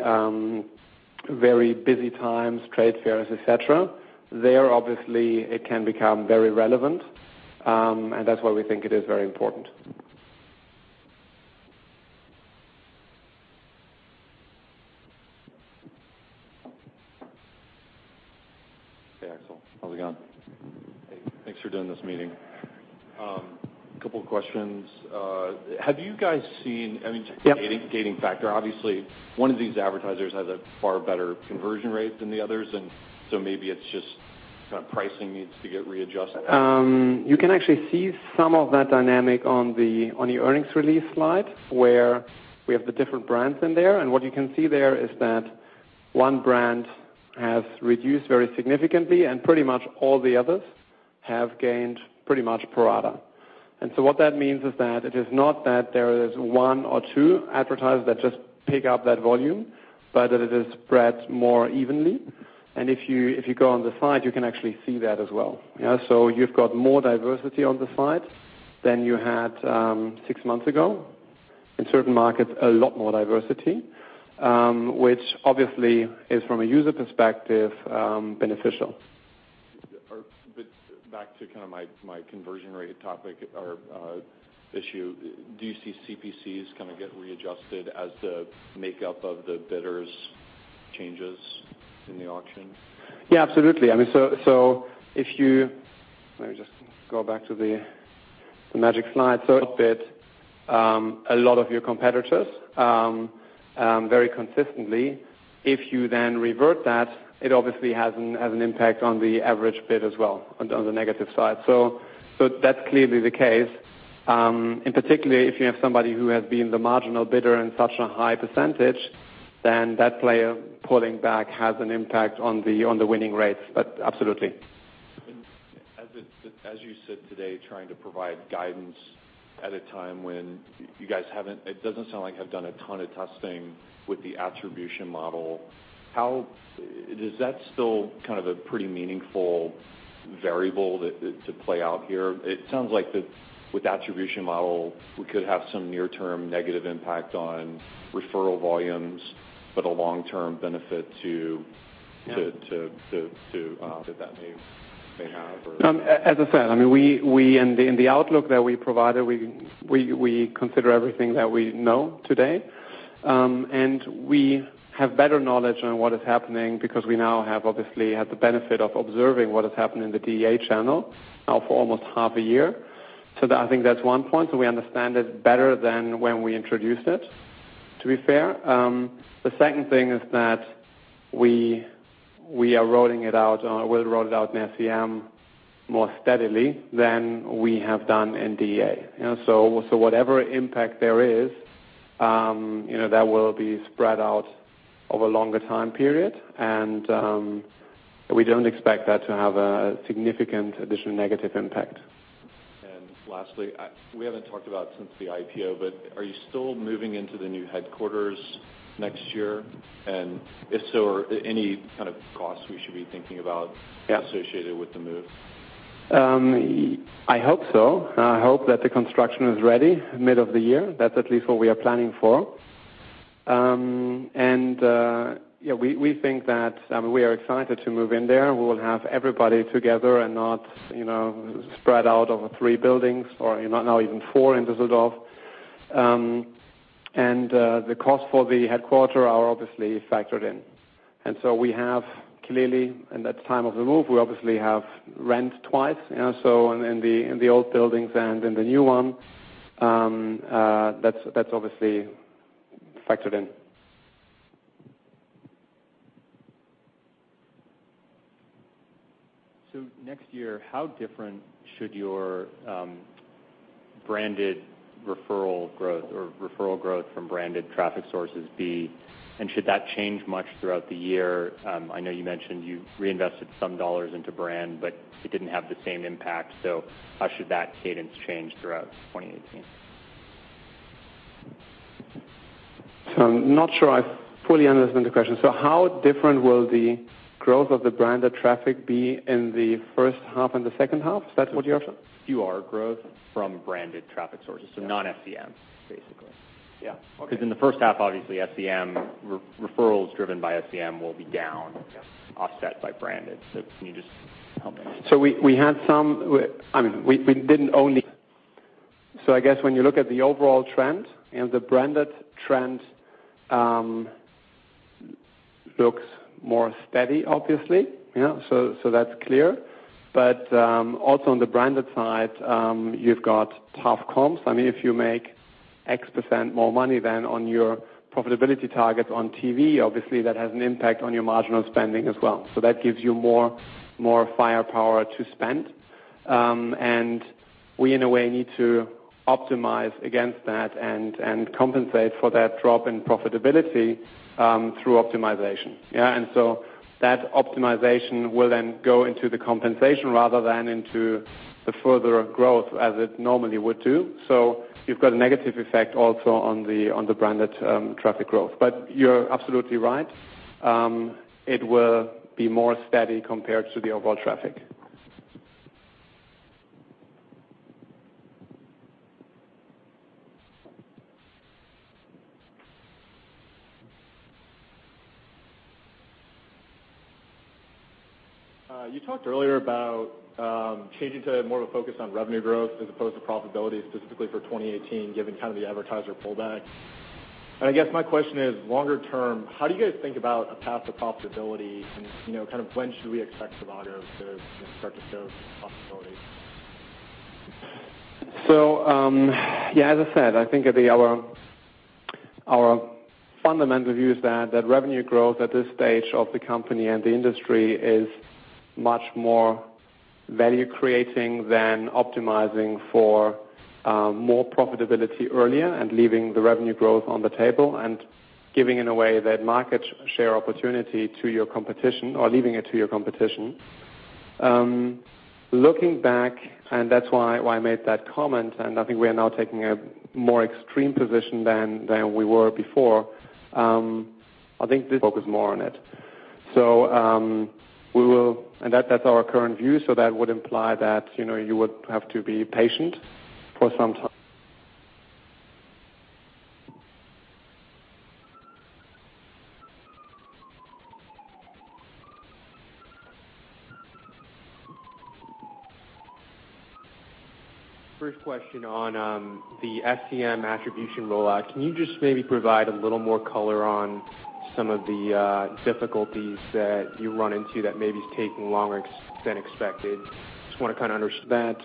busy times, trade fairs, et cetera. There obviously it can become very relevant, that's why we think it is very important. Hey, Axel. How's it going? Hey, thanks for doing this meeting. Couple questions. Have you guys seen any. Yep gating factor? Obviously, one of these advertisers has a far better conversion rate than the others, and so maybe it's just pricing needs to get readjusted. You can actually see some of that dynamic on the earnings release slide where we have the different brands in there. What you can see there is that one brand has reduced very significantly, and pretty much all the others have gained pretty much pro rata. What that means is that it is not that there is one or two advertisers that just pick up that volume, but that it is spread more evenly. If you go on the site, you can actually see that as well. You've got more diversity on the site than you had six months ago. In certain markets, a lot more diversity, which obviously is, from a user perspective, beneficial. Back to my conversion rate topic or issue, do you see CPCs get readjusted as the makeup of the bidders changes in the auction? Absolutely. Let me just go back to the magic slide. A lot of your competitors, very consistently, if you then revert that, it obviously has an impact on the average bid as well on the negative side. That's clearly the case. Particularly, if you have somebody who has been the marginal bidder in such a high percentage, then that player pulling back has an impact on the winning rates. Absolutely. As you sit today trying to provide guidance at a time when you guys haven't, it doesn't sound like you have done a ton of testing with the attribution model. Is that still a pretty meaningful variable to play out here? It sounds like that with the attribution model, we could have some near-term negative impact on referral volumes, but a long-term benefit to- Yeah that may have or- As I said, in the outlook that we provided, we consider everything that we know today. We have better knowledge on what is happening because we now obviously have the benefit of observing what has happened in the DA channel now for almost half a year. I think that's one point. We understand it better than when we introduced it, to be fair. The second thing is that we'll roll it out in SEM more steadily than we have done in DA. Whatever impact there is, that will be spread out over a longer time period. We don't expect that to have a significant additional negative impact. Lastly, we haven't talked about since the IPO, are you still moving into the new headquarters next year? If so, are there any costs we should be thinking about? Yeah associated with the move? I hope so. I hope that the construction is ready mid of the year. That's at least what we are planning for. We think we are excited to move in there. We will have everybody together and not spread out over three buildings or now even four in Düsseldorf. The cost for the headquarters are obviously factored in. We have, clearly, at the time of the move, we obviously have rent twice. In the old buildings and in the new one, that's obviously factored in. Next year, how different should your branded referral growth or referral growth from branded traffic sources be? Should that change much throughout the year? I know you mentioned you reinvested some dollars into brand, but it didn't have the same impact. How should that cadence change throughout 2018? I'm not sure I've fully understood the question. How different will the growth of the branded traffic be in the first half and the second half? Is that what you're asking? QR growth from branded traffic sources. Non-SEMs, basically. Yeah. Okay. In the first half, obviously, referrals driven by SEM will be down. Yes It will be offset by branded. Can you just help me? I guess when you look at the overall trend and the branded trend, looks more steady, obviously. That's clear. Also on the branded side, you've got tough comps. If you make X% more money than on your profitability targets on trivago, obviously that has an impact on your marginal spending as well. That gives you more firepower to spend. We, in a way, need to optimize against that and compensate for that drop in profitability, through optimization. That optimization will then go into the compensation rather than into the further growth as it normally would do. You've got a negative effect also on the branded traffic growth. You're absolutely right, it will be more steady compared to the overall traffic. You talked earlier about changing to more of a focus on revenue growth as opposed to profitability, specifically for 2018, given the advertiser pullback. I guess my question is, longer term, how do you guys think about a path to profitability? When should we expect trivago to start to show profitability? Yeah, as I said, I think our fundamental view is that revenue growth at this stage of the company and the industry is much more value creating than optimizing for more profitability earlier and leaving the revenue growth on the table, giving in a way that market share opportunity to your competition or leaving it to your competition. Looking back, that's why I made that comment, I think we are now taking a more extreme position than we were before. I think they focus more on it. That's our current view, that would imply that you would have to be patient for some time. First question on the SEM attribution rollout. Can you just maybe provide a little more color on some of the difficulties that you run into that maybe is taking longer than expected? Just want to understand.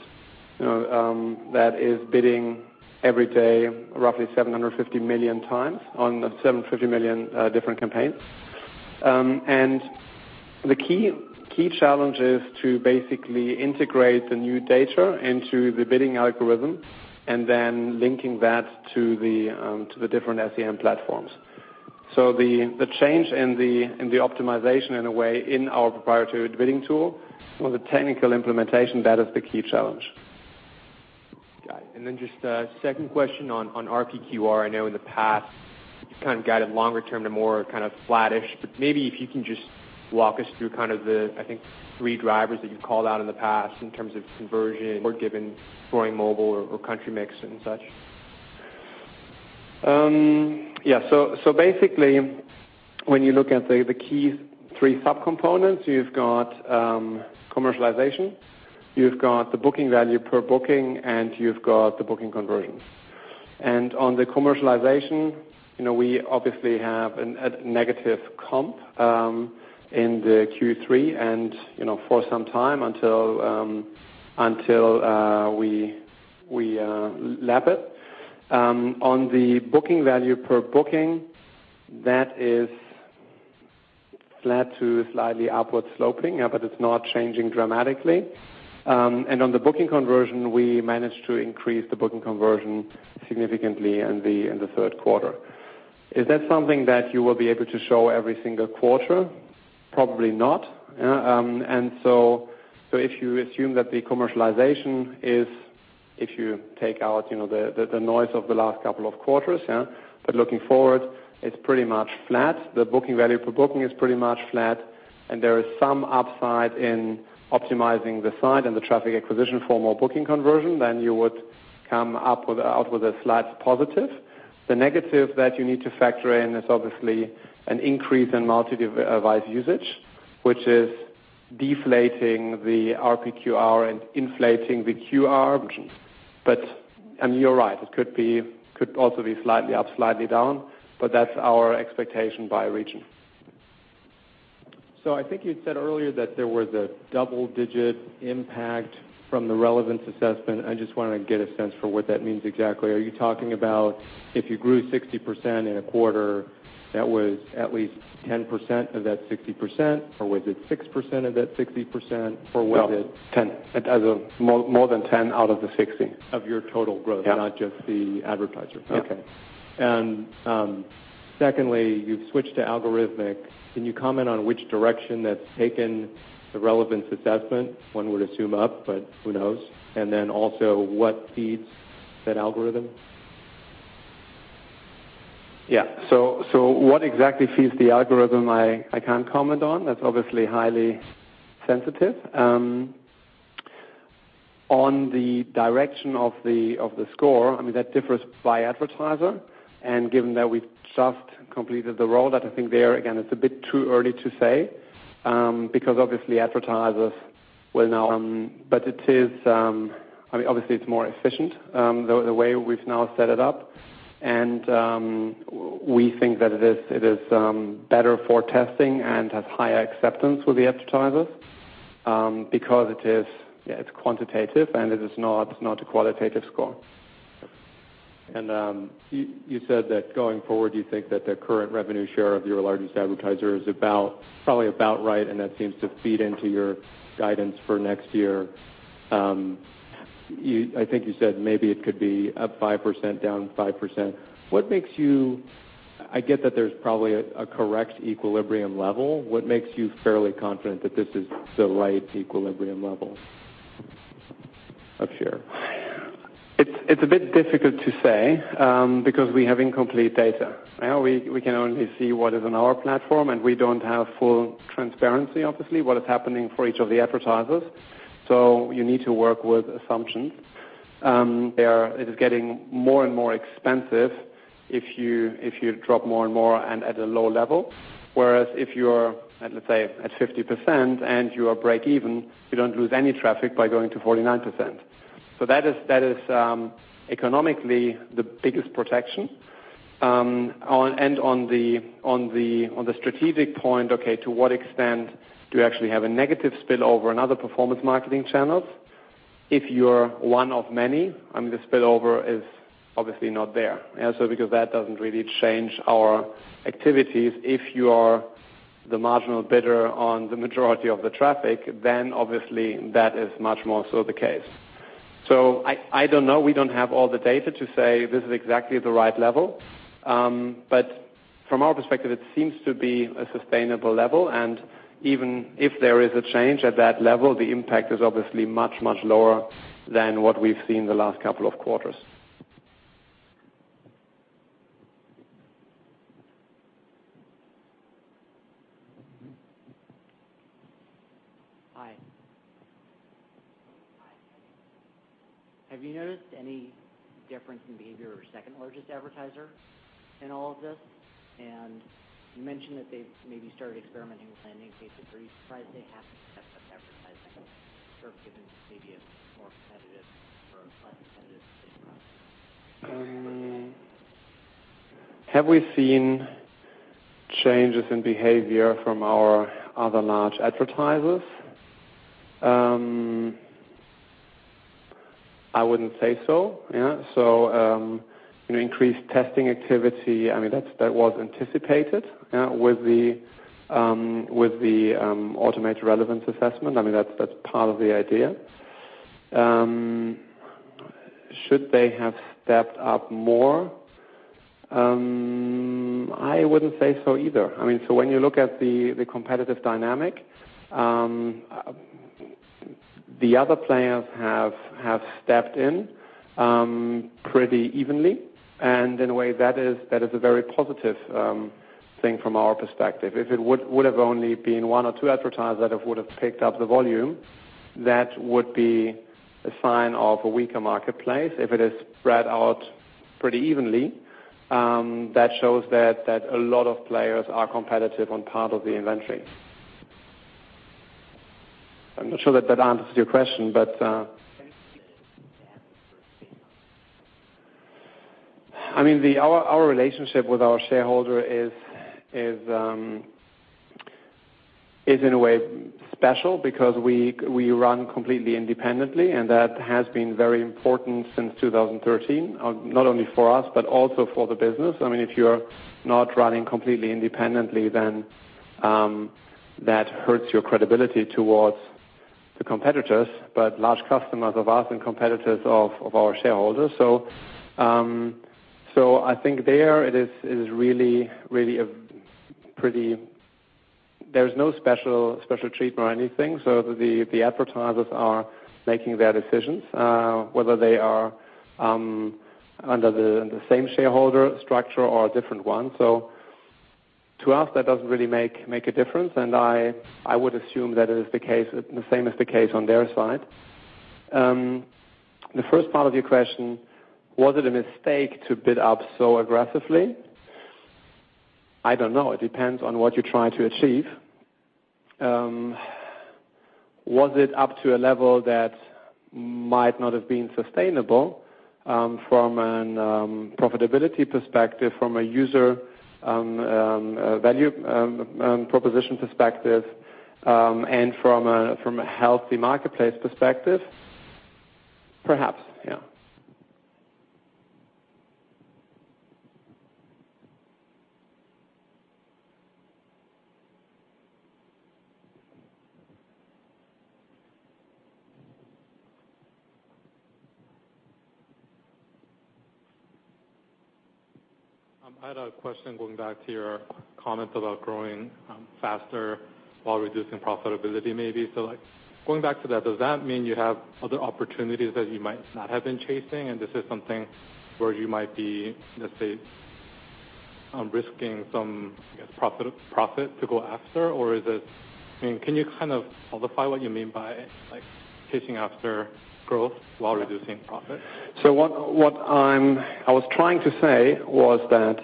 That is bidding every day, roughly 750 million times on the 750 million different campaigns. The key challenge is to basically integrate the new data into the bidding algorithm and then linking that to the different SEM platforms. The change in the optimization in a way in our proprietary bidding tool or the technical implementation, that is the key challenge. Got it. Then just a second question on RPQR. I know in the past you've kind of guided longer term to more kind of flattish. Maybe if you can just walk us through the, I think, three drivers that you've called out in the past in terms of conversion or given growing mobile or country mix and such. Yeah. Basically, when you look at the key three subcomponents. You've got commercialization, you've got the booking value per booking, and you've got the booking conversion. On the commercialization, we obviously have a negative comp in the Q3 and for some time until we lap it. On the booking value per booking, that is flat to slightly upward sloping, but it's not changing dramatically. On the booking conversion, we managed to increase the booking conversion significantly in the third quarter. Is that something that you will be able to show every single quarter? Probably not. If you assume that the commercialization is, if you take out the noise of the last couple of quarters, looking forward, it's pretty much flat. The booking value per booking is pretty much flat, and there is some upside in optimizing the side and the traffic acquisition for more booking conversion, then you would come out with a slight positive. The negative that you need to factor in is obviously an increase in multi-device usage, which is deflating the RPQR and inflating the QR version. You're right, it could also be slightly up, slightly down, but that's our expectation by region. I think you'd said earlier that there was a double-digit impact from the relevance assessment. I just wanted to get a sense for what that means exactly. Are you talking about if you grew 60% in a quarter, that was at least 10% of that 60%, or was it 6% of that 60%? No, 10. More than 10 out of the 60. Of your total growth. Yeah Not just the advertisers. Yeah. Okay. Secondly, you've switched to algorithmic. Can you comment on which direction that's taken the relevance assessment? One would assume up, but who knows? Also what feeds that algorithm? Yeah. What exactly feeds the algorithm I can't comment on. That's obviously highly sensitive. On the direction of the score, that differs by advertiser, given that we've just completed the rollout, I think there again, it's a bit too early to say. Obviously it's more efficient, the way we've now set it up. We think that it is better for testing and has higher acceptance with the advertisers, because it's quantitative and it is not a qualitative score. You said that going forward, you think that the current revenue share of your largest advertiser is probably about right, that seems to feed into your guidance for next year. I think you said maybe it could be up 5%, down 5%. I get that there's probably a correct equilibrium level. What makes you fairly confident that this is the right equilibrium level of share? It's a bit difficult to say, because we have incomplete data. We can only see what is on our platform, we don't have full transparency, obviously, what is happening for each of the advertisers. You need to work with assumptions. It is getting more and more expensive if you drop more and more and at a low level. Whereas if you're at, let's say, at 50% and you are break even, you don't lose any traffic by going to 49%. That is economically the biggest protection. On the strategic point, okay, to what extent do you actually have a negative spillover in other performance marketing channels? If you're one of many, the spillover is obviously not there. Because that doesn't really change our activities. If you are the marginal bidder on the majority of the traffic, obviously that is much more so the case. I don't know. We don't have all the data to say this is exactly the right level. From our perspective, it seems to be a sustainable level, and even if there is a change at that level, the impact is obviously much, much lower than what we've seen the last couple of quarters. Hi. Have you noticed any difference in behavior of your second largest advertiser in all of this? You mentioned that they've maybe started experimenting with landing pages. Are you surprised they haven't stepped up advertising spend given maybe a more competitive or uncompetitive Have we seen changes in behavior from our other large advertisers? I wouldn't say so. Increased testing activity, that was anticipated with the automated relevance assessment. That's part of the idea. Should they have stepped up more? I wouldn't say so either. When you look at the competitive dynamic, the other players have stepped in, pretty evenly, and in a way, that is a very positive thing from our perspective. If it would have only been one or two advertisers that would've picked up the volume, that would be a sign of a weaker marketplace. If it is spread out pretty evenly, that shows that a lot of players are competitive on part of the inventory. I'm not sure that that answers your question. Our relationship with our shareholder is in a way special because we run completely independently, and that has been very important since 2013. Not only for us, but also for the business. If you are not running completely independently, then that hurts your credibility towards the competitors, but large customers of us and competitors of our shareholders. I think there it is really, there's no special treatment or anything. The advertisers are making their decisions, whether they are under the same shareholder structure or a different one. To us, that doesn't really make a difference. I would assume that it is the same as the case on their side. The first part of your question, was it a mistake to bid up so aggressively? I don't know. It depends on what you're trying to achieve. Was it up to a level that might not have been sustainable, from a profitability perspective, from a user value proposition perspective, and from a healthy marketplace perspective? Perhaps, yeah. I had a question going back to your comments about growing faster while reducing profitability, maybe. Going back to that, does that mean you have other opportunities that you might not have been chasing and this is something where you might be, let's say, risking some profit to go after? Can you kind of qualify what you mean by chasing after growth while reducing profit? What I was trying to say was that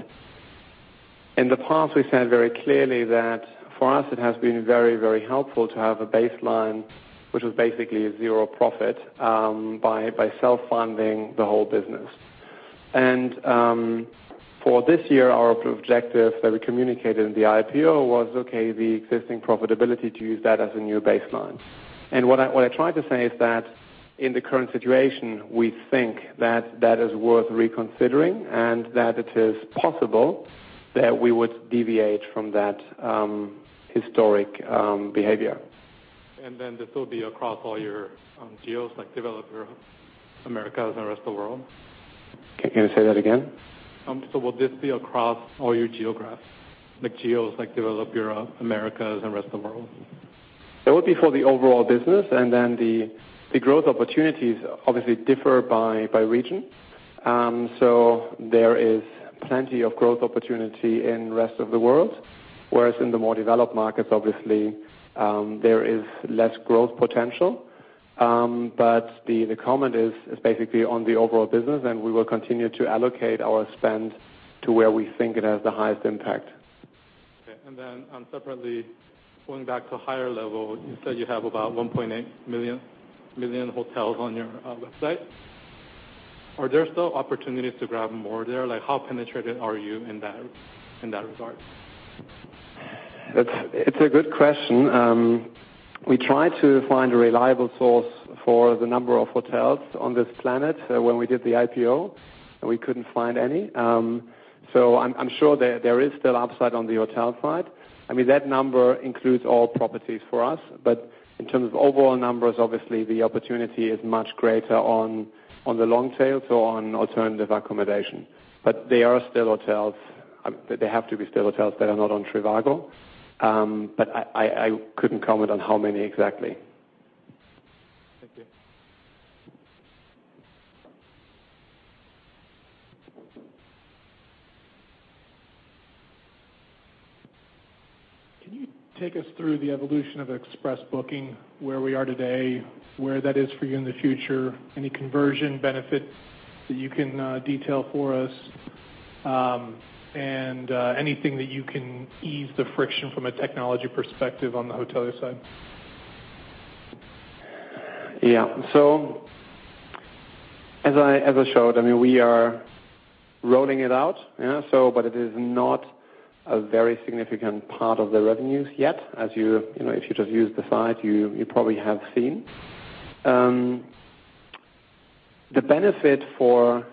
in the past we said very clearly that for us it has been very, very helpful to have a baseline which was basically zero profit, by self-funding the whole business. For this year, our objective that we communicated in the IPO was, okay, the existing profitability to use that as a new baseline. What I tried to say is that in the current situation, we think that that is worth reconsidering and that it is possible that we would deviate from that historic behavior. Then this will be across all your geos, like Developed Europe, Americas, and Rest of World? Can you say that again? Will this be across all your geos, like Developed Europe, Americas, and Rest of World? It would be for the overall business, and the growth opportunities obviously differ by region. There is plenty of growth opportunity in Rest of World, whereas in the more developed markets, obviously, there is less growth potential. The comment is basically on the overall business, we will continue to allocate our spend to where we think it has the highest impact. Okay. Separately, going back to higher level, you said you have about 1.8 million hotels on your website. Are there still opportunities to grab more there? How penetrated are you in that regard? It's a good question. We try to find a reliable source for the number of hotels on this planet when we did the IPO, and we couldn't find any. I'm sure there is still upside on the hotel side. I mean, that number includes all properties for us. In terms of overall numbers, obviously the opportunity is much greater on the long tail, so on alternative accommodation. There are still hotels, there have to be still hotels that are not on trivago. I couldn't comment on how many exactly. Thank you. Can you take us through the evolution of trivago Express Booking, where we are today, where that is for you in the future, any conversion benefit that you can detail for us, and anything that you can ease the friction from a technology perspective on the hotelier side? As I showed, we are rolling it out. It is not a very significant part of the revenues yet. If you just use the site, you probably have seen. The benefit for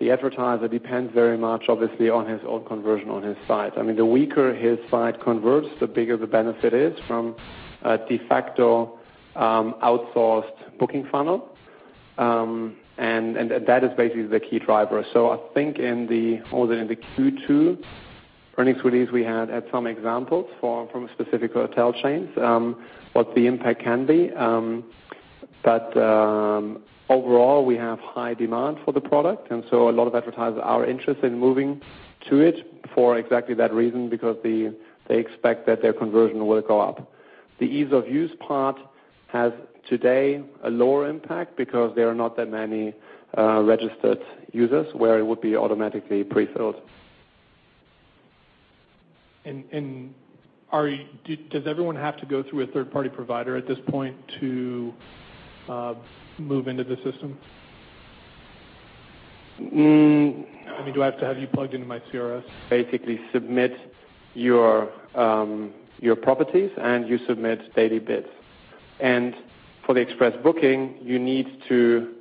the advertiser depends very much, obviously, on his own conversion on his site. I mean, the weaker his site converts, the bigger the benefit is from a de facto outsourced booking funnel. That is basically the key driver. I think in the Q2 earnings release, we had some examples from specific hotel chains, what the impact can be. Overall, we have high demand for the product, and so a lot of advertisers are interested in moving to it for exactly that reason, because they expect that their conversion will go up. The ease of use part has today a lower impact because there are not that many registered users where it would be automatically pre-filled. Does everyone have to go through a third-party provider at this point to move into the system? Mm- I mean, do I have to have you plugged into my CRS? Basically submit your properties, and you submit daily bids. For the trivago Express Booking, you need to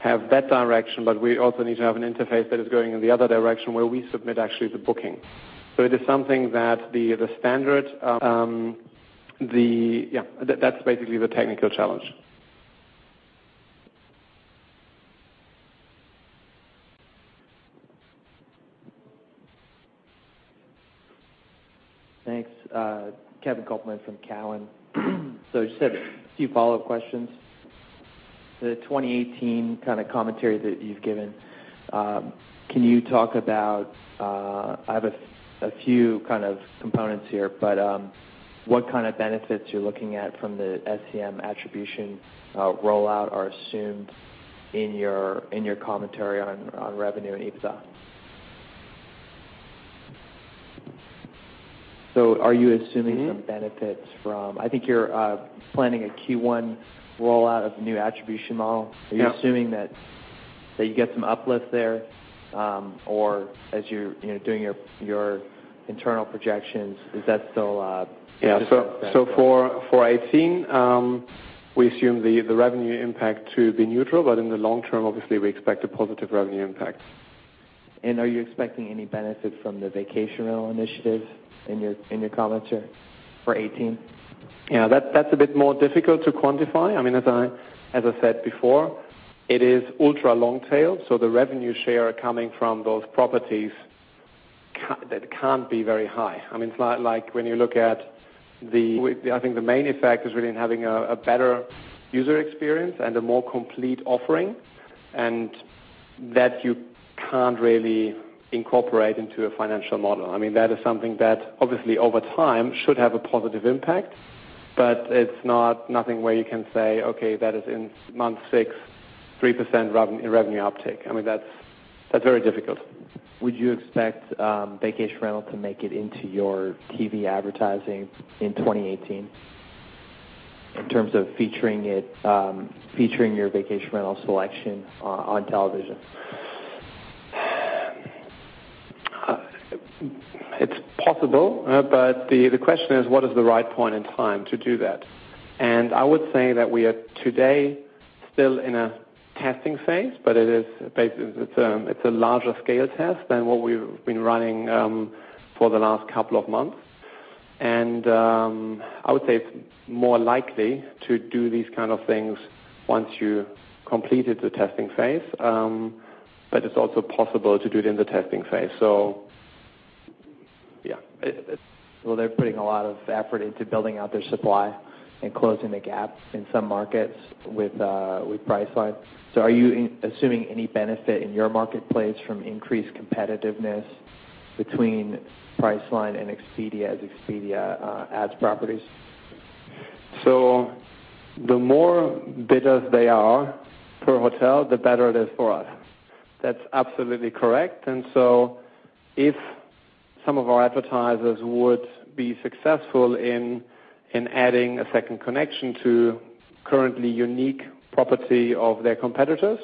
have that direction, but we also need to have an interface that is going in the other direction, where we submit actually the booking. It is something that the standard. That's basically the technical challenge. Thanks. Kevin Kopelman from Cowen. Just have a few follow-up questions. The 2018 kind of commentary that you've given, can you talk about, I have a few kind of components here, but what kind of benefits you're looking at from the SEM attribution rollout are assumed in your commentary on revenue and EBITDA? Are you assuming some benefits? I think you're planning a Q1 rollout of the new attribution model. Yeah. Are you assuming that you get some uplift there? As you're doing your internal projections, is that? Yeah. For 2018, we assume the revenue impact to be neutral. In the long term, obviously, we expect a positive revenue impact. Are you expecting any benefit from the vacation rental initiative in your commentary for 2018? Yeah, that's a bit more difficult to quantify. I mean, as I said before, it is ultra long tail, so the revenue share coming from those properties can't be very high. I mean, it's like when you look at. I think the main effect is really in having a better user experience and a more complete offering, and that you can't really incorporate into a financial model. I mean, that is something that obviously over time should have a positive impact, but it's nothing where you can say, okay, that is in month six, 3% in revenue uptick. I mean, that's very difficult. Would you expect vacation rental to make it into your TV advertising in 2018, in terms of featuring your vacation rental selection on television? It's possible. The question is, what is the right point in time to do that? I would say that we are today still in a testing phase, but it's a larger scale test than what we've been running for the last couple of months. I would say it's more likely to do these kind of things once you completed the testing phase. It's also possible to do it in the testing phase. Yeah. Well, they're putting a lot of effort into building out their supply and closing the gap in some markets with Priceline.com. Are you assuming any benefit in your marketplace from increased competitiveness between Priceline.com and Expedia as Expedia adds properties? The more bidders they are per hotel, the better it is for us. That's absolutely correct. If some of our advertisers would be successful in adding a second connection to currently unique property of their competitors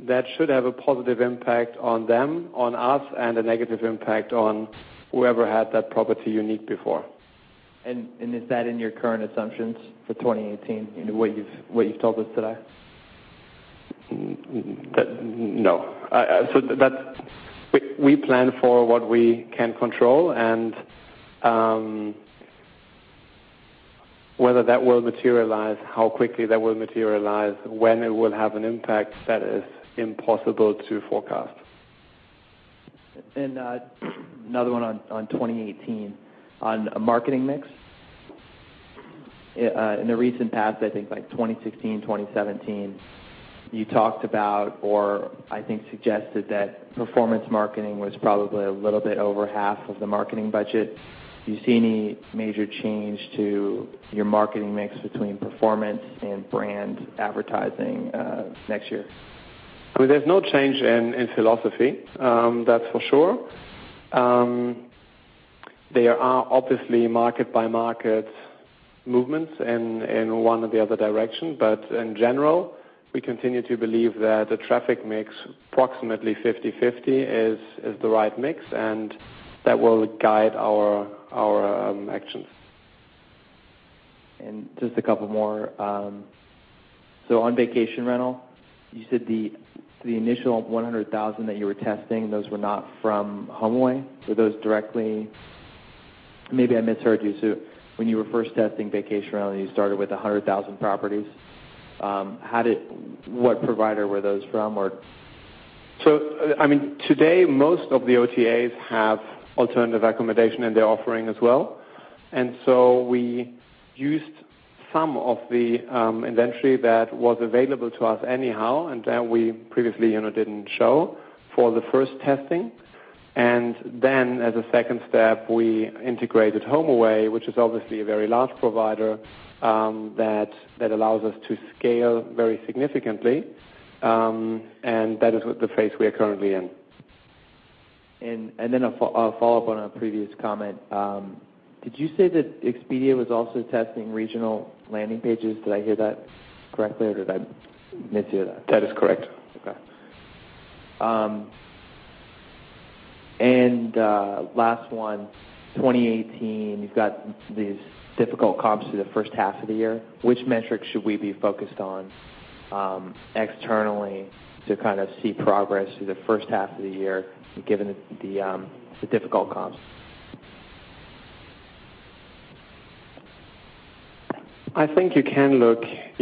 That should have a positive impact on them, on us, and a negative impact on whoever had that property unique before. Is that in your current assumptions for 2018 in what you've told us today? No. We plan for what we can control and whether that will materialize, how quickly that will materialize, when it will have an impact, that is impossible to forecast. Another one on 2018. On marketing mix. In the recent past, I think by 2016, 2017, you talked about or I think suggested that performance marketing was probably a little bit over half of the marketing budget. Do you see any major change to your marketing mix between performance and brand advertising next year? There's no change in philosophy, that's for sure. There are obviously market-by-market movements in one or the other direction, but in general, we continue to believe that the traffic mix, approximately 50/50, is the right mix, and that will guide our actions. Just a couple more. On vacation rental, you said the initial 100,000 that you were testing, those were not from HomeAway. Were those directly? Maybe I misheard you. When you were first testing vacation rental, you started with 100,000 properties. What provider were those from or? Today, most of the OTAs have alternative accommodation in their offering as well. We used some of the inventory that was available to us anyhow, and that we previously didn't show for the first testing. As a second step, we integrated HomeAway, which is obviously a very large provider, that allows us to scale very significantly. That is the phase we are currently in. A follow-up on a previous comment. Did you say that Expedia was also testing regional landing pages? Did I hear that correctly or did I mishear that? That is correct. Okay. Last one, 2018, you've got these difficult comps through the first half of the year. Which metrics should we be focused on externally to kind of see progress through the first half of the year, given the difficult comps? I think you can look at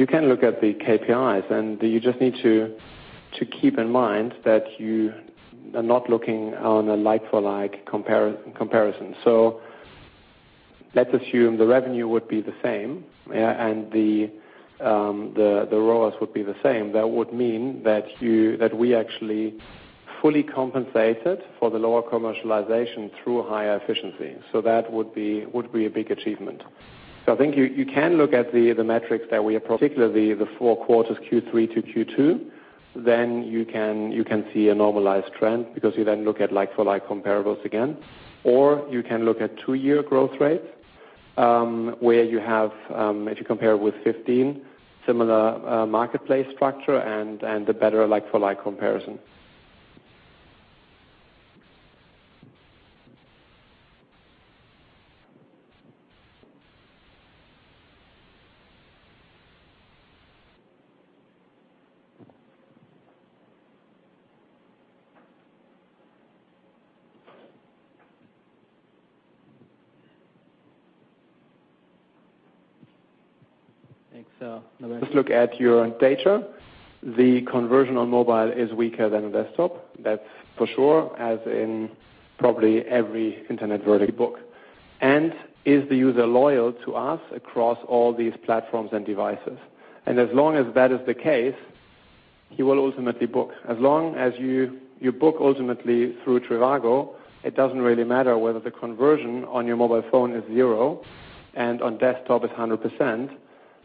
the KPIs, you just need to keep in mind that you are not looking on a like-for-like comparison. Let's assume the revenue would be the same, the ROAS would be the same. That would mean that we actually fully compensated for the lower commercialization through higher efficiency. That would be a big achievement. I think you can look at the metrics that we have, particularly the four quarters, Q3 to Q2, you can see a normalized trend because you then look at like-for-like comparables again. You can look at two-year growth rates, where you have, if you compare with 2015, similar marketplace structure and a better like-for-like comparison. Thanks. Just look at your data. The conversion on mobile is weaker than a desktop, that's for sure, as in probably every internet vertical book. Is the user loyal to us across all these platforms and devices? As long as that is the case, he will ultimately book. As long as you book ultimately through trivago, it doesn't really matter whether the conversion on your mobile phone is zero and on desktop is 100%,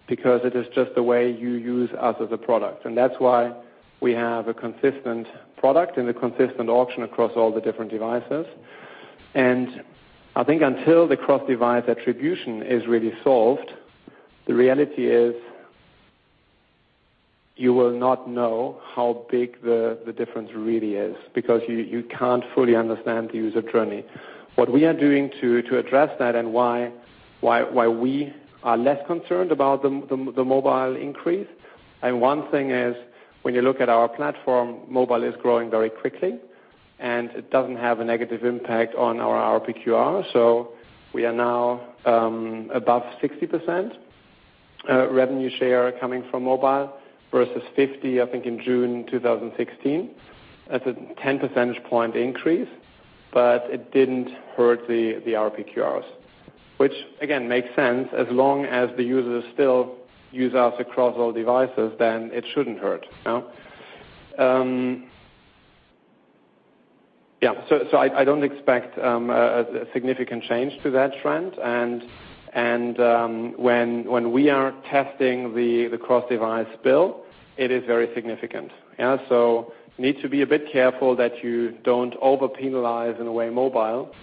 because it is just the way you use us as a product. That's why we have a consistent product and a consistent auction across all the different devices. I think until the cross-device attribution is really solved, the reality is you will not know how big the difference really is because you can't fully understand the user journey. What we are doing to address that why we are less concerned about the mobile increase, one thing is when you look at our platform, mobile is growing very quickly, it doesn't have a negative impact on our RPQR. We are now above 60% revenue share coming from mobile versus 50, I think in June 2016. That's a 10 percentage point increase, it didn't hurt the RPQR, which again, makes sense. As long as the users still use us across all devices, it shouldn't hurt. Yeah, I don't expect a significant change to that trend. When we are testing the cross-device attribution, it is very significant. Yeah, need to be a bit careful that you don't over penalize in a way mobile,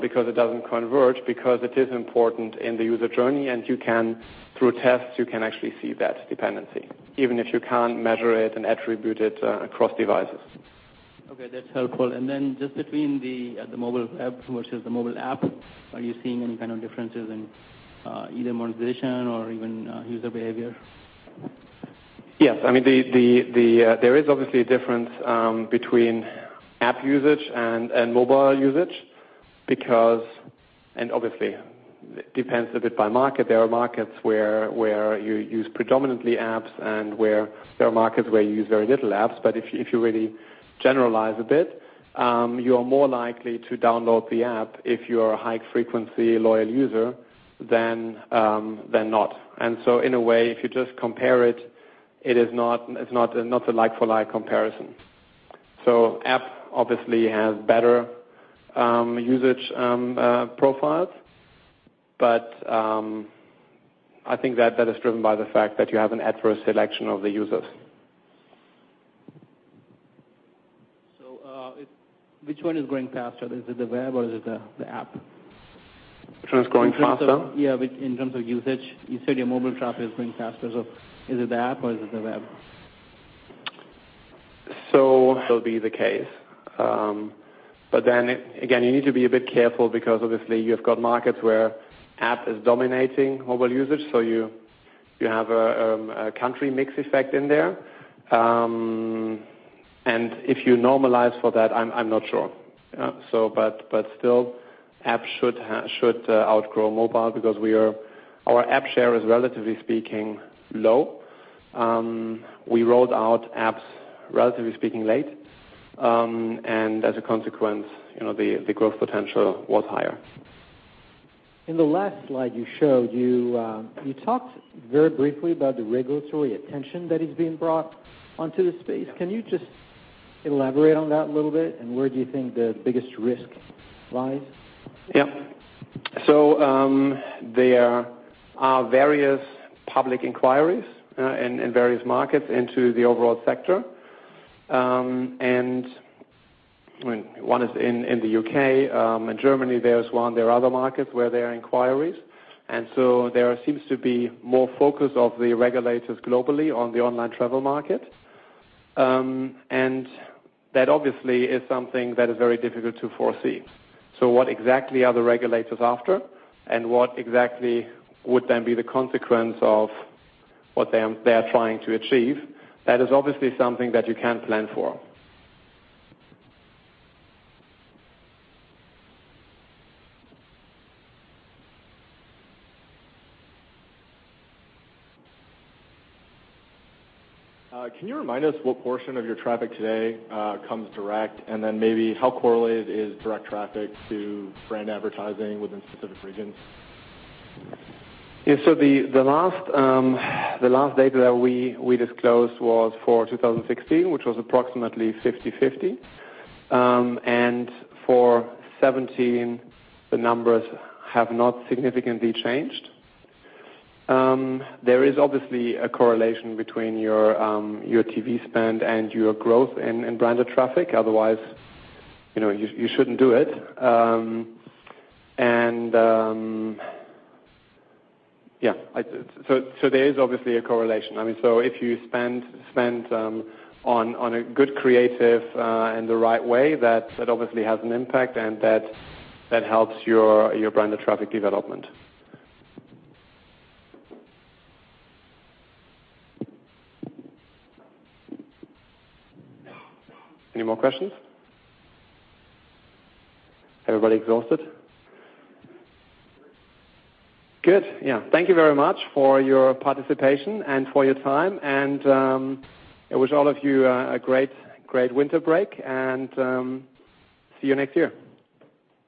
because it doesn't convert, because it is important in the user journey and through tests, you can actually see that dependency, even if you can't measure it and attribute it across devices. Okay, that's helpful. Then just between the mobile web versus the mobile app, are you seeing any kind of differences in either monetization or even user behavior? Yes. There is obviously a difference between app usage and mobile usage because obviously, it depends a bit by market. There are markets where you use predominantly apps and there are markets where you use very little apps. If you really generalize a bit, you are more likely to download the app if you are a high-frequency, loyal user than not. In a way, if you just compare it's not a like-for-like comparison. App obviously has better usage profiles, but I think that is driven by the fact that you have an adverse selection of the users. Which one is growing faster? Is it the web or is it the app? Which one is growing faster? In terms of usage. You said your mobile traffic is growing faster. Is it the app or is it the web? That will be the case. Again, you need to be a bit careful because obviously you've got markets where app is dominating mobile usage, so you have a country mix effect in there. If you normalize for that, I'm not sure. Still, app should outgrow mobile because our app share is, relatively speaking, low. We rolled out apps, relatively speaking, late. As a consequence, the growth potential was higher. In the last slide you showed, you talked very briefly about the regulatory attention that is being brought onto the space. Can you just elaborate on that a little bit, and where do you think the biggest risk lies? There are various public inquiries in various markets into the overall sector. One is in the U.K., in Germany there is one, there are other markets where there are inquiries. There seems to be more focus of the regulators globally on the online travel market. That obviously is something that is very difficult to foresee. What exactly are the regulators after, and what exactly would then be the consequence of what they are trying to achieve? That is obviously something that you can't plan for. Can you remind us what portion of your traffic today comes direct? Maybe how correlated is direct traffic to brand advertising within specific regions? The last data that we disclosed was for 2016, which was approximately 50/50. For 2017, the numbers have not significantly changed. There is obviously a correlation between your TV spend and your growth in branded traffic. Otherwise, you shouldn't do it. There is obviously a correlation. If you spend on a good creative in the right way, that obviously has an impact and that helps your branded traffic development. Any more questions? Everybody exhausted? Good. Thank you very much for your participation and for your time, I wish all of you a great winter break, and see you next year.